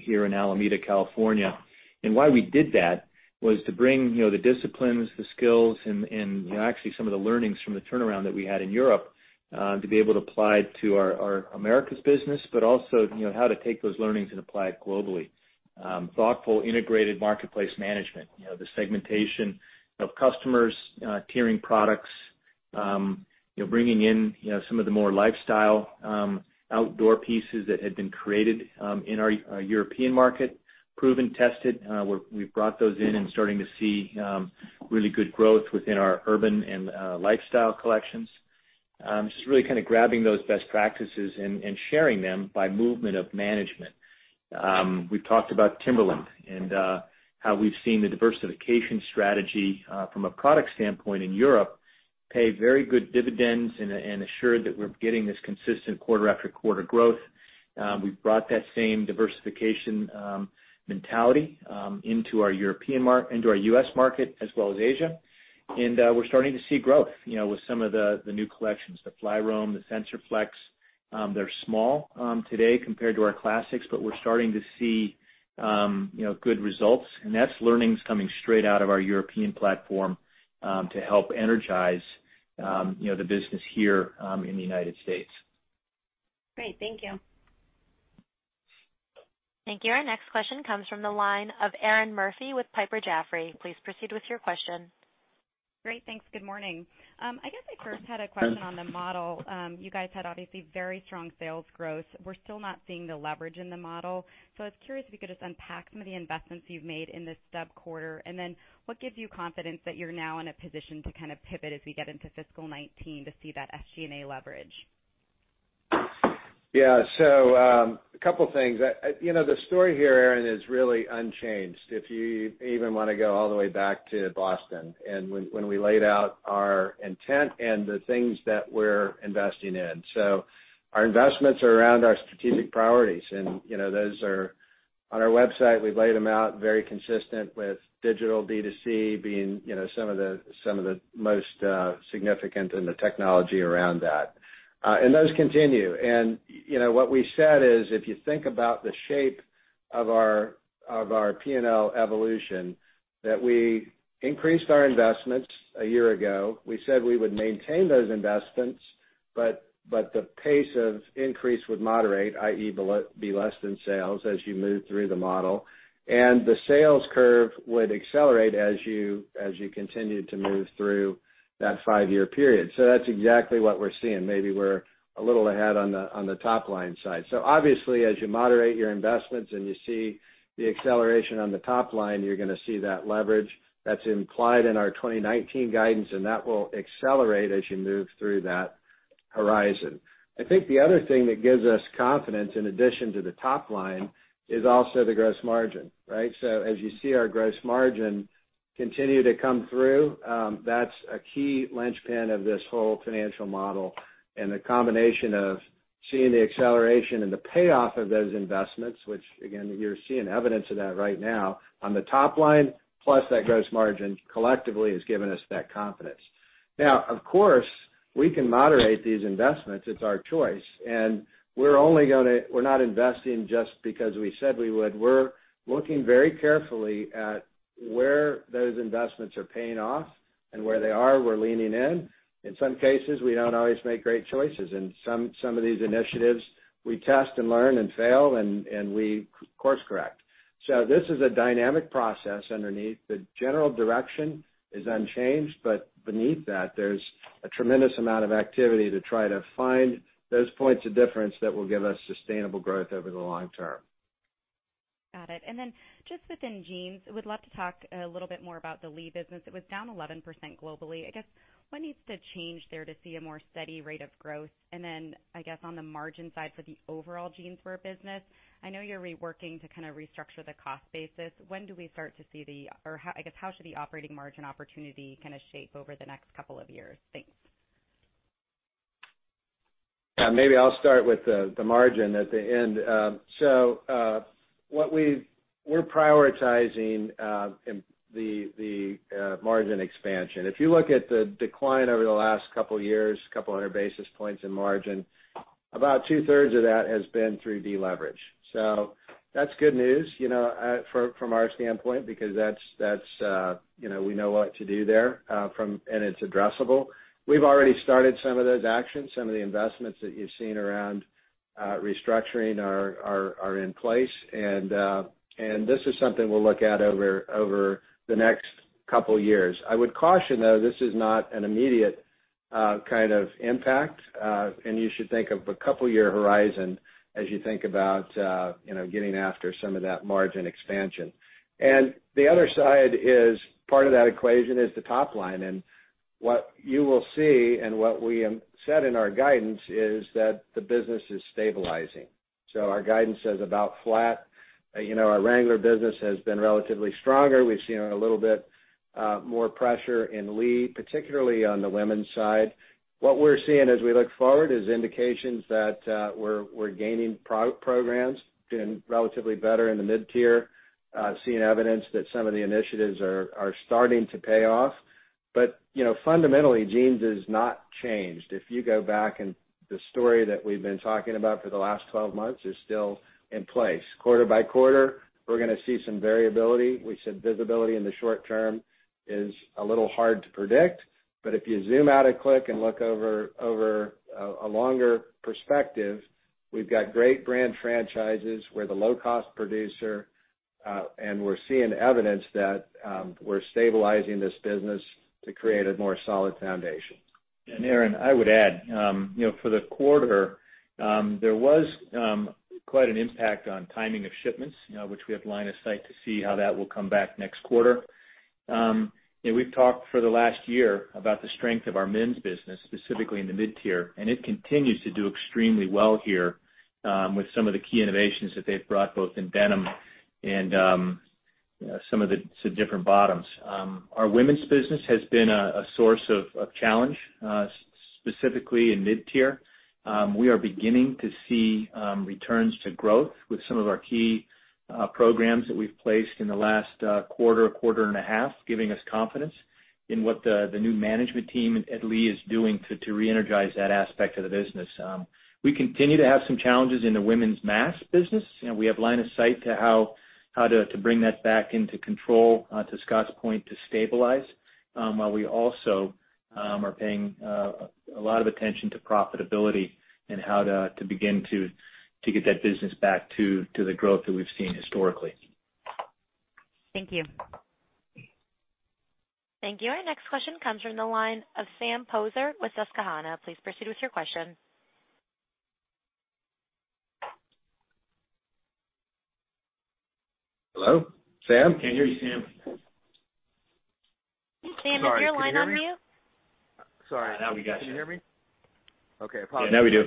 here in Alameda, California. Why we did that was to bring the disciplines, the skills, and actually some of the learnings from the turnaround that we had in Europe to be able to apply to our Americas business, but also how to take those learnings and apply it globally. Thoughtful, integrated marketplace management. The segmentation of customers, tiering products, bringing in some of the more lifestyle outdoor pieces that had been created in our European market, proven, tested. We've brought those in and starting to see really good growth within our urban and lifestyle collections. It's just really kind of grabbing those best practices and sharing them by movement of management. We've talked about Timberland and how we've seen the diversification strategy from a product standpoint in Europe pay very good dividends and assured that we're getting this consistent quarter after quarter growth. We've brought that same diversification mentality into our U.S. market as well as Asia. We're starting to see growth with some of the new collections, the FlyRoam, the SensorFlex They're small today compared to our classics, but we're starting to see good results. That's learnings coming straight out of our European platform, to help energize the business here in the United States. Great. Thank you. Thank you. Our next question comes from the line of Erinn Murphy with Piper Jaffray. Please proceed with your question. Great. Thanks. Good morning. I guess I first had a question on the model. You guys had obviously very strong sales growth. We're still not seeing the leverage in the model. I was curious if you could just unpack some of the investments you've made in this stub quarter, and then what gives you confidence that you're now in a position to pivot as we get into fiscal 2019 to see that SG&A leverage? A couple things. The story here, Erinn, is really unchanged. If you even want to go all the way back to Boston and when we laid out our intent and the things that we're investing in. Our investments are around our strategic priorities, and those are on our website. We've laid them out very consistent with digital D2C being some of the most significant, and the technology around that. Those continue. What we said is, if you think about the shape of our P&L evolution, that we increased our investments a year ago. We said we would maintain those investments, but the pace of increase would moderate, i.e. be less than sales as you move through the model. The sales curve would accelerate as you continued to move through that five-year period. That's exactly what we're seeing. Maybe we're a little ahead on the top-line side. Obviously, as you moderate your investments and you see the acceleration on the top line, you're going to see that leverage. That's implied in our 2019 guidance, that will accelerate as you move through that horizon. I think the other thing that gives us confidence in addition to the top line is also the gross margin. Right? As you see our gross margin continue to come through, that's a key linchpin of this whole financial model. The combination of seeing the acceleration and the payoff of those investments, which again, you're seeing evidence of that right now on the top line, plus that gross margin collectively has given us that confidence. Of course, we can moderate these investments. It's our choice, we're not investing just because we said we would. We're looking very carefully at where those investments are paying off and where they are, we're leaning in. In some cases, we don't always make great choices, and some of these initiatives we test and learn and fail, and we course correct. This is a dynamic process underneath. The general direction is unchanged, but beneath that, there's a tremendous amount of activity to try to find those points of difference that will give us sustainable growth over the long term. Got it. Just within jeans, would love to talk a little bit more about the Lee business. It was down 11% globally. I guess, what needs to change there to see a more steady rate of growth? Then, I guess on the margin side for the overall Jeanswear business, I know you're reworking to restructure the cost basis. When do we start to see or I guess how should the operating margin opportunity shape over the next couple of years? Thanks. Maybe I'll start with the margin at the end. We're prioritizing the margin expansion. If you look at the decline over the last couple years, couple hundred basis points in margin, about two-thirds of that has been through deleverage. That's good news from our standpoint, because we know what to do there, and it's addressable. We've already started some of those actions. Some of the investments that you've seen around restructuring are in place, and this is something we'll look at over the next couple years. I would caution, though, this is not an immediate kind of impact. You should think of a couple-year horizon as you think about getting after some of that margin expansion. The other side is part of that equation is the top line. What you will see, and what we said in our guidance, is that the business is stabilizing. Our guidance says about flat. Our Wrangler business has been relatively stronger. We've seen a little bit more pressure in Lee, particularly on the women's side. What we're seeing as we look forward is indications that we're gaining programs, doing relatively better in the mid-tier. Seeing evidence that some of the initiatives are starting to pay off. Fundamentally, jeans has not changed. If you go back, the story that we've been talking about for the last 12 months is still in place. Quarter by quarter, we're going to see some variability. We said visibility in the short term is a little hard to predict, but if you zoom out a click and look over a longer perspective, we've got great brand franchises. We're the low-cost producer, and we're seeing evidence that we're stabilizing this business to create a more solid foundation. Erinn, I would add, for the quarter, there was quite an impact on timing of shipments, which we have line of sight to see how that will come back next quarter. We've talked for the last year about the strength of our men's business, specifically in the mid-tier, and it continues to do extremely well here with some of the key innovations that they've brought both in denim and some of the different bottoms. Our women's business has been a source of challenge, specifically in mid-tier. We are beginning to see returns to growth with some of our key programs that we've placed in the last quarter and a half, giving us confidence in what the new management team at Lee is doing to re-energize that aspect of the business. We continue to have some challenges in the women's mass business. We have line of sight to how to bring that back into control, to Scott's point, to stabilize, while we also are paying a lot of attention to profitability and how to begin to get that business back to the growth that we've seen historically. Thank you. Thank you. Our next question comes from the line of Sam Poser with Susquehanna. Please proceed with your question. Hello? Sam? Can't hear you, Sam. Sam, is your line on mute? Sorry. Can you hear me? Sorry. Now we got you. Can you hear me? Okay. Apologies. Yeah, now we do.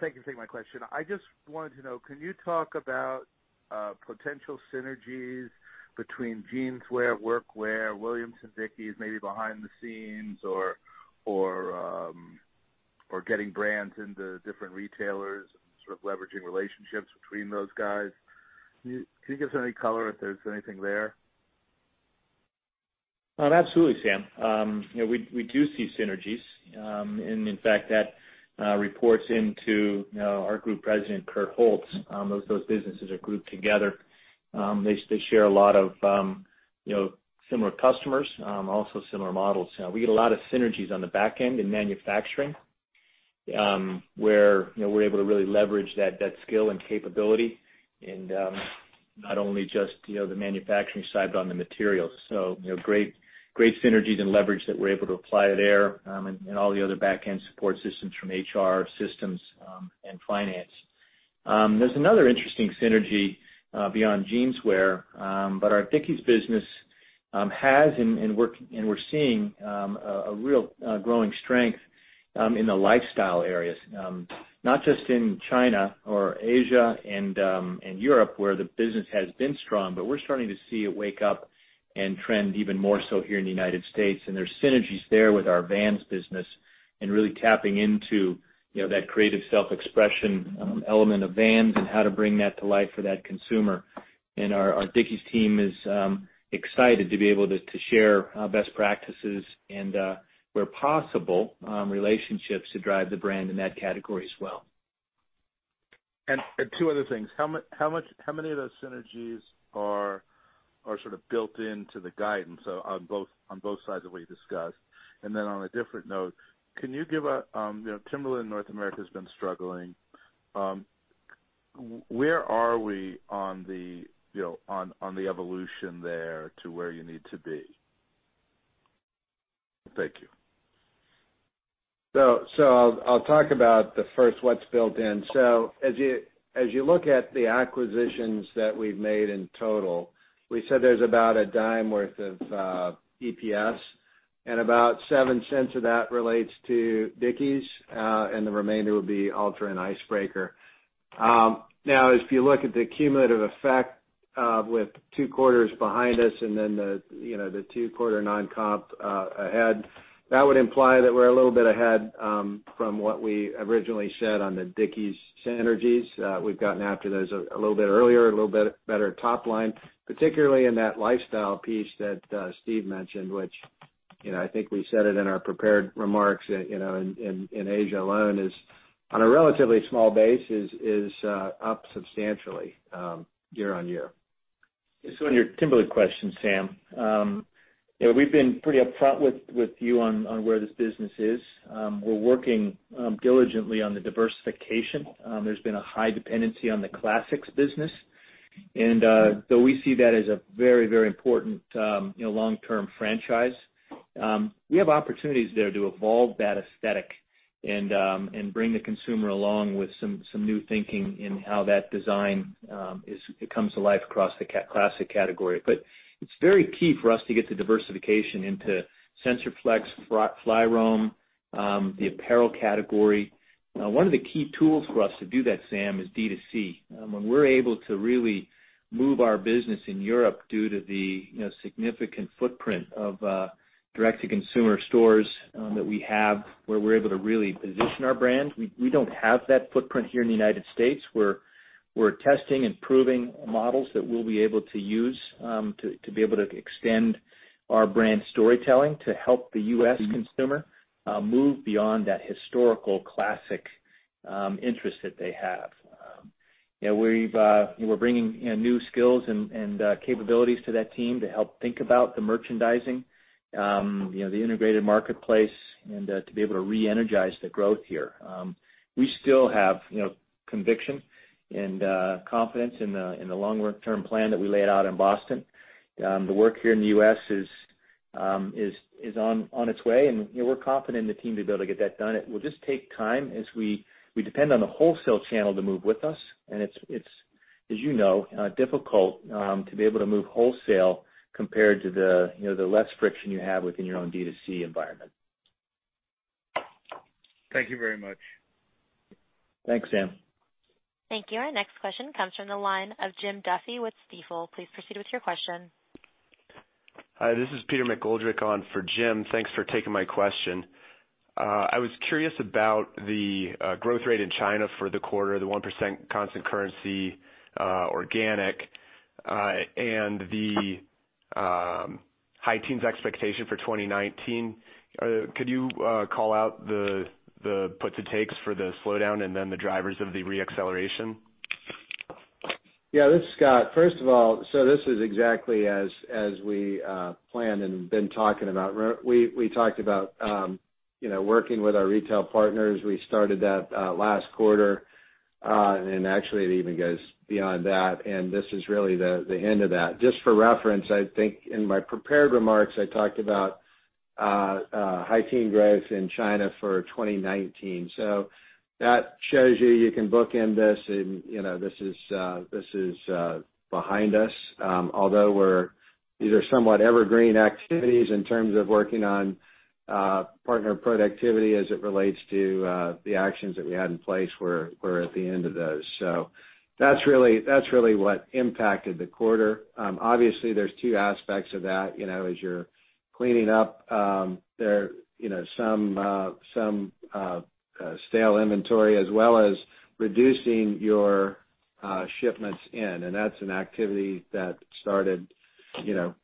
Thank you for taking my question. I just wanted to know, can you talk about potential synergies between Jeanswear, Workwear, Williamson-Dickie maybe behind the scenes or getting brands into different retailers and sort of leveraging relationships between those guys? Can you give us any color if there's anything there? Absolutely, Sam. We do see synergies. In fact, that reports into our Group President, Curt Holtz. Those businesses are grouped together. They share a lot of similar customers, also similar models. We get a lot of synergies on the back end in manufacturing, where we're able to really leverage that skill and capability in not only just the manufacturing side, but on the materials. Great synergies and leverage that we're able to apply there. All the other back end support systems from HR systems and finance. There's another interesting synergy beyond Jeanswear. Our Dickies business has, and we're seeing a real growing strength in the lifestyle areas. Not just in China or Asia and Europe, where the business has been strong, but we're starting to see it wake up and trend even more so here in the U.S. There's synergies there with our Vans business and really tapping into that creative self-expression element of Vans and how to bring that to life for that consumer. Our Dickies team is excited to be able to share best practices and, where possible, relationships to drive the brand in that category as well. Two other things. How many of those synergies are sort of built into the guidance on both sides of what you discussed? Then on a different note, Timberland North America has been struggling. Where are we on the evolution there to where you need to be? Thank you. I'll talk about the first, what's built in. As you look at the acquisitions that we've made in total, we said there's about $0.10 worth of EPS and about $0.07 of that relates to Dickies. The remainder would be Altra and Icebreaker. If you look at the cumulative effect with two quarters behind us and then the two-quarter non-comp ahead, that would imply that we're a little bit ahead from what we originally said on the Dickies synergies. We've gotten after those a little bit earlier, a little bit better top line, particularly in that lifestyle piece that Steve mentioned, which I think we said it in our prepared remarks. In Asia alone is on a relatively small base, is up substantially year-on-year. On your Timberland question, Sam. We've been pretty upfront with you on where this business is. We're working diligently on the diversification. There's been a high dependency on the classics business, and though we see that as a very important long-term franchise. We have opportunities there to evolve that aesthetic and bring the consumer along with some new thinking in how that design comes to life across the classic category. But it's very key for us to get the diversification into SensorFlex, FlyRoam, the apparel category. One of the key tools for us to do that, Sam, is D2C. When we're able to really move our business in Europe due to the significant footprint of direct to consumer stores that we have, where we're able to really position our brand. We don't have that footprint here in the U.S. We're testing and proving models that we'll be able to use to be able to extend our brand storytelling to help the U.S. consumer move beyond that historical classic interest that they have. We're bringing new skills and capabilities to that team to help think about the merchandising, the integrated marketplace, and to be able to re-energize the growth here. We still have conviction and confidence in the long term plan that we laid out in Boston. The work here in the U.S. is on its way, and we're confident in the team to be able to get that done. It will just take time as we depend on the wholesale channel to move with us. It's, as you know, difficult to be able to move wholesale compared to the less friction you have within your own D2C environment. Thank you very much. Thanks, Sam. Thank you. Our next question comes from the line of Jim Duffy with Stifel. Please proceed with your question. Hi, this is Peter McGoldrick on for Jim. Thanks for taking my question. I was curious about the growth rate in China for the quarter, the 1% constant currency organic, and the high teens expectation for 2019. Could you call out the puts and takes for the slowdown and then the drivers of the re-acceleration? Yeah, this is Scott. First of all, this is exactly as we planned and have been talking about. We talked about working with our retail partners. We started that last quarter, and actually it even goes beyond that, and this is really the end of that. Just for reference, I think in my prepared remarks, I talked about high teen growth in China for 2019. That shows you can bookend this, and this is behind us. Although these are somewhat evergreen activities in terms of working on partner productivity as it relates to the actions that we had in place. We're at the end of those. That's really what impacted the quarter. Obviously, there's two aspects of that. As you're cleaning up some stale inventory as well as reducing your shipments in, that's an activity that started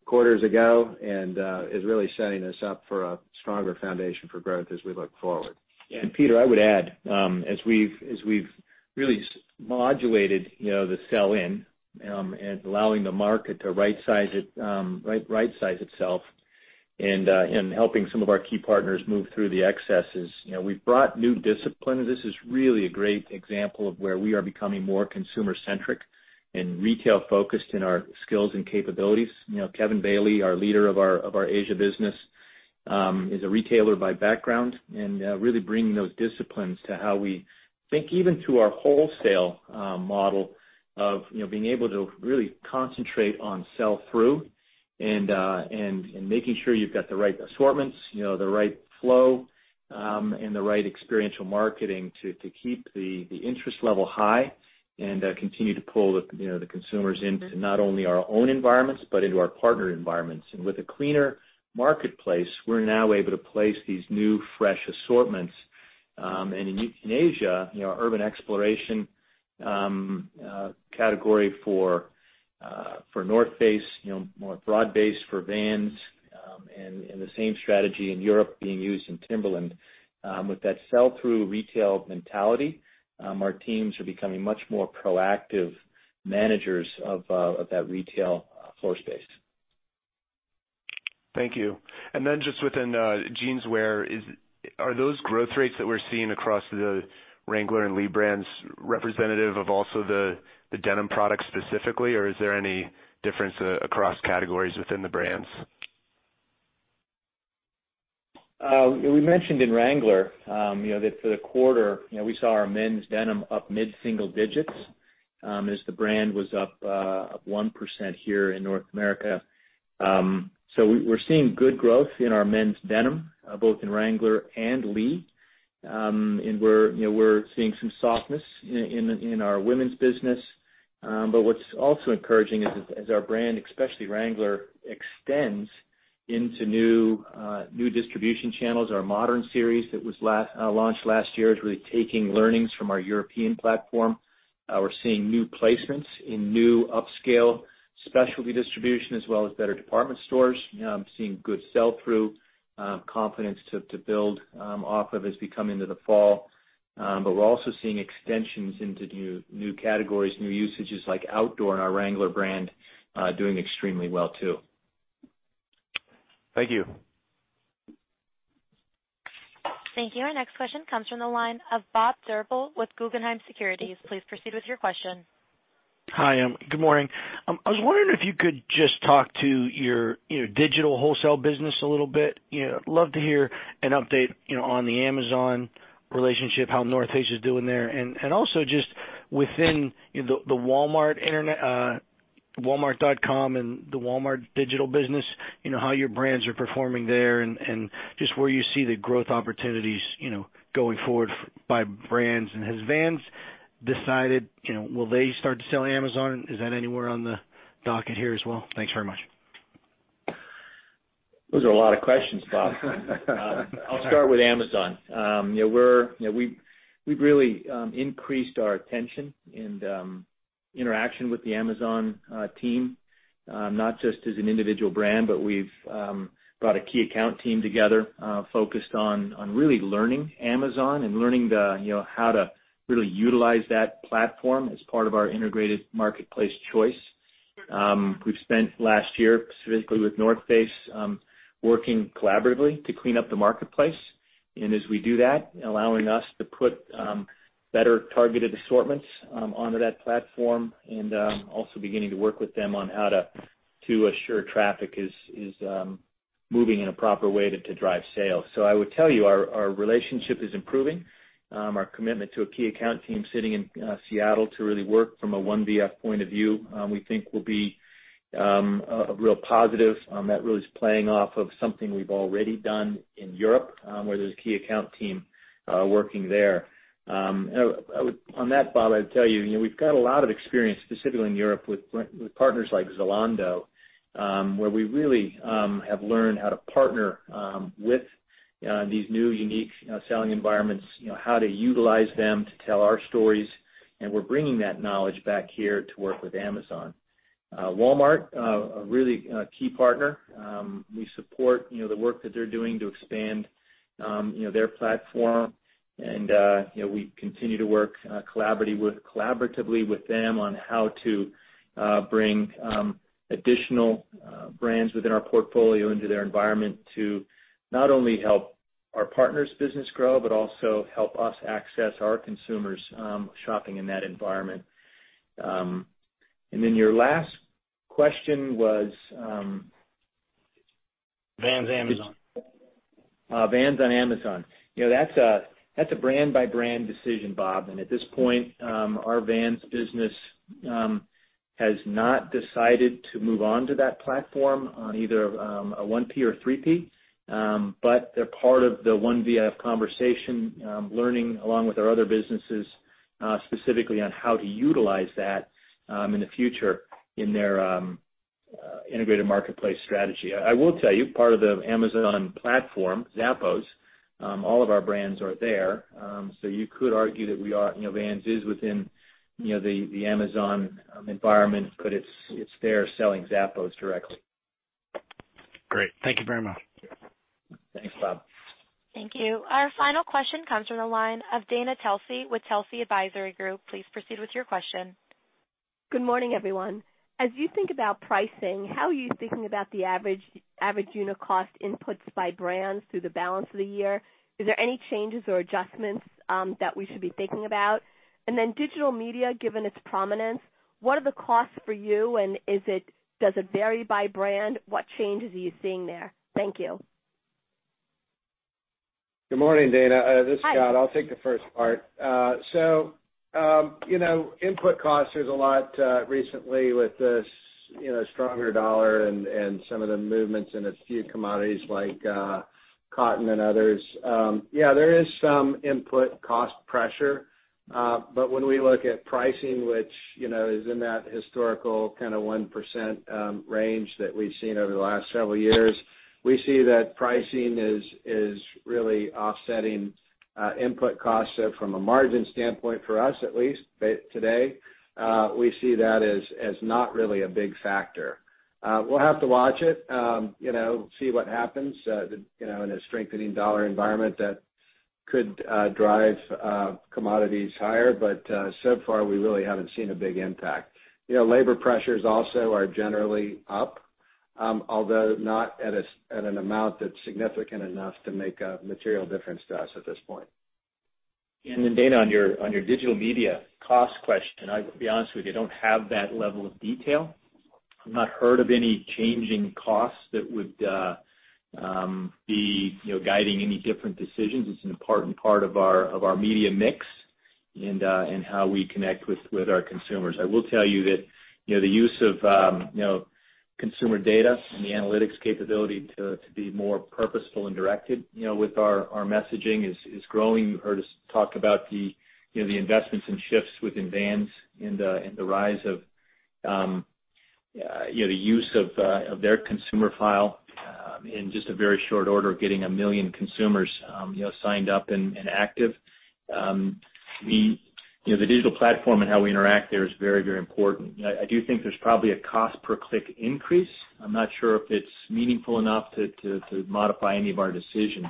quarters ago and is really setting us up for a stronger foundation for growth as we look forward. Peter, I would add, as we've really modulated the sell-in, and allowing the market to right-size itself and helping some of our key partners move through the excesses. We've brought new discipline, and this is really a great example of where we are becoming more consumer-centric and retail-focused in our skills and capabilities. Kevin Bailey, our leader of our Asia business, is a retailer by background and really bringing those disciplines to how we think even to our wholesale model of being able to really concentrate on sell-through and making sure you've got the right assortments, the right flow, and the right experiential marketing to keep the interest level high and continue to pull the consumers into not only our own environments but into our partner environments. With a cleaner marketplace, we're now able to place these new, fresh assortments. In Asia, our urban exploration category for The North Face, more broad-based for Vans, and the same strategy in Europe being used in Timberland. With that sell-through retail mentality, our teams are becoming much more proactive managers of that retail floor space. Thank you. Within Jeanswear, are those growth rates that we're seeing across the Wrangler and Lee brands representative of also the denim products specifically, or is there any difference across categories within the brands? We mentioned in Wrangler, that for the quarter, we saw our men's denim up mid-single digits, as the brand was up 1% here in North America. We're seeing good growth in our men's denim, both in Wrangler and Lee. We're seeing some softness in our women's business. What's also encouraging is as our brand, especially Wrangler, extends into new distribution channels. Our modern series that was launched last year is really taking learnings from our European platform. We're seeing new placements in new upscale specialty distribution as well as better department stores, seeing good sell-through, confidence to build off of as we come into the fall. We're also seeing extensions into new categories, new usages like outdoor and our Wrangler brand doing extremely well too. Thank you. Thank you. Our next question comes from the line of Bob Drbul with Guggenheim Securities. Please proceed with your question. Hi, good morning. I was wondering if you could just talk to your digital wholesale business a little bit. Love to hear an update on the Amazon relationship, how The North Face is doing there. Also just within the walmart.com and the Walmart digital business, how your brands are performing there and just where you see the growth opportunities going forward by brands. Has Vans decided, will they start to sell Amazon? Is that anywhere on the docket here as well? Thanks very much. Those are a lot of questions, Bob. I'll start with Amazon. We've really increased our attention and interaction with the Amazon team, not just as an individual brand, but we've brought a key account team together, focused on really learning Amazon and learning how to really utilize that platform as part of our integrated marketplace choice. We've spent last year specifically with The North Face, working collaboratively to clean up the marketplace. As we do that, allowing us to put better targeted assortments onto that platform and also beginning to work with them on how to assure traffic is moving in a proper way to drive sales. I would tell you our relationship is improving. Our commitment to a key account team sitting in Seattle to really work from a one VF point of view, we think will be a real positive. That really is playing off of something we've already done in Europe, where there's a key account team working there. On that, Bob, I'd tell you, we've got a lot of experience, specifically in Europe with partners like Zalando, where we really have learned how to partner with these new unique selling environments, how to utilize them to tell our stories, and we're bringing that knowledge back here to work with Amazon. Walmart, a really key partner. We support the work that they're doing to expand their platform, and we continue to work collaboratively with them on how to bring additional brands within our portfolio into their environment to not only help our partners' business grow, but also help us access our consumers shopping in that environment. Your last question was. Vans Amazon. Vans on Amazon. That's a brand by brand decision, Bob. At this point, our Vans business has not decided to move on to that platform on either a 1P or a 3P. They're part of the one V.F. conversation, learning along with our other businesses, specifically on how to utilize that in the future in their integrated marketplace strategy. I will tell you, part of the Amazon platform, Zappos, all of our brands are there. You could argue that Vans is within the Amazon environment, but it's there selling Zappos directly. Great. Thank you very much. Thanks, Bob. Thank you. Our final question comes from the line of Dana Telsey with Telsey Advisory Group. Please proceed with your question. Good morning, everyone. As you think about pricing, how are you thinking about the average unit cost inputs by brands through the balance of the year? Is there any changes or adjustments that we should be thinking about? Then digital media, given its prominence, what are the costs for you, and does it vary by brand? What changes are you seeing there? Thank you. Good morning, Dana. Hi. This is Scott. I'll take the first part. Input costs, there's a lot recently with this stronger dollar and some of the movements in a few commodities like cotton and others. Yeah, there is some input cost pressure. When we look at pricing, which is in that historical 1% range that we've seen over the last several years, we see that pricing is really offsetting input costs from a margin standpoint, for us at least, today. We see that as not really a big factor. We'll have to watch it, see what happens in a strengthening dollar environment that could drive commodities higher. So far, we really haven't seen a big impact. Labor pressures also are generally up, although not at an amount that's significant enough to make a material difference to us at this point. Dana, on your digital media cost question, I will be honest with you, I don't have that level of detail. I've not heard of any change in costs that would be guiding any different decisions. It's an important part of our media mix and how we connect with our consumers. I will tell you that the use of consumer data and the analytics capability to be more purposeful and directed with our messaging is growing. You heard us talk about the investments and shifts within Vans and the rise of the use of their consumer file in just a very short order of getting 1 million consumers signed up and active. The digital platform and how we interact there is very important. I do think there's probably a cost per click increase. I'm not sure if it's meaningful enough to modify any of our decisions.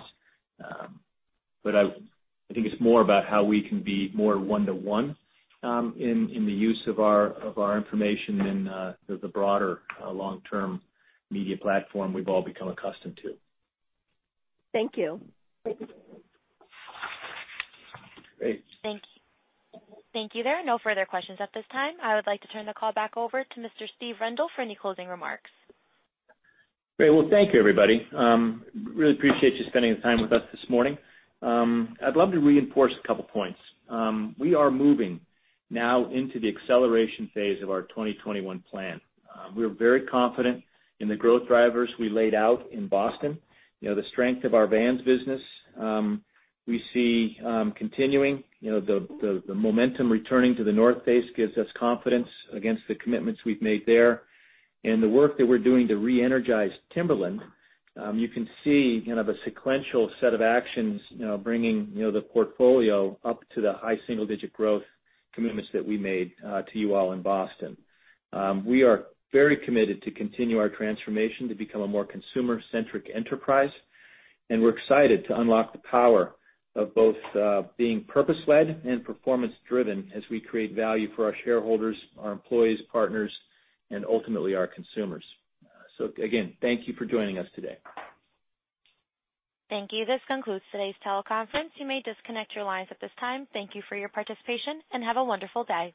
I think it's more about how we can be more one-to-one in the use of our information than the broader long-term media platform we've all become accustomed to. Thank you. Great. Thank you. There are no further questions at this time. I would like to turn the call back over to Mr. Steve Rendle for any closing remarks. Great. Well, thank you, everybody. Really appreciate you spending the time with us this morning. I'd love to reinforce a couple points. We are moving now into the acceleration phase of our 2021 plan. We are very confident in the growth drivers we laid out in Boston. The strength of our Vans business, we see continuing. The momentum returning to The North Face gives us confidence against the commitments we've made there. The work that we're doing to re-energize Timberland, you can see a sequential set of actions bringing the portfolio up to the high single-digit growth commitments that we made to you all in Boston. We are very committed to continue our transformation to become a more consumer-centric enterprise, and we're excited to unlock the power of both being purpose-led and performance driven as we create value for our shareholders, our employees, partners, and ultimately our consumers. Again, thank you for joining us today. Thank you. This concludes today's teleconference. You may disconnect your lines at this time. Thank you for your participation, and have a wonderful day.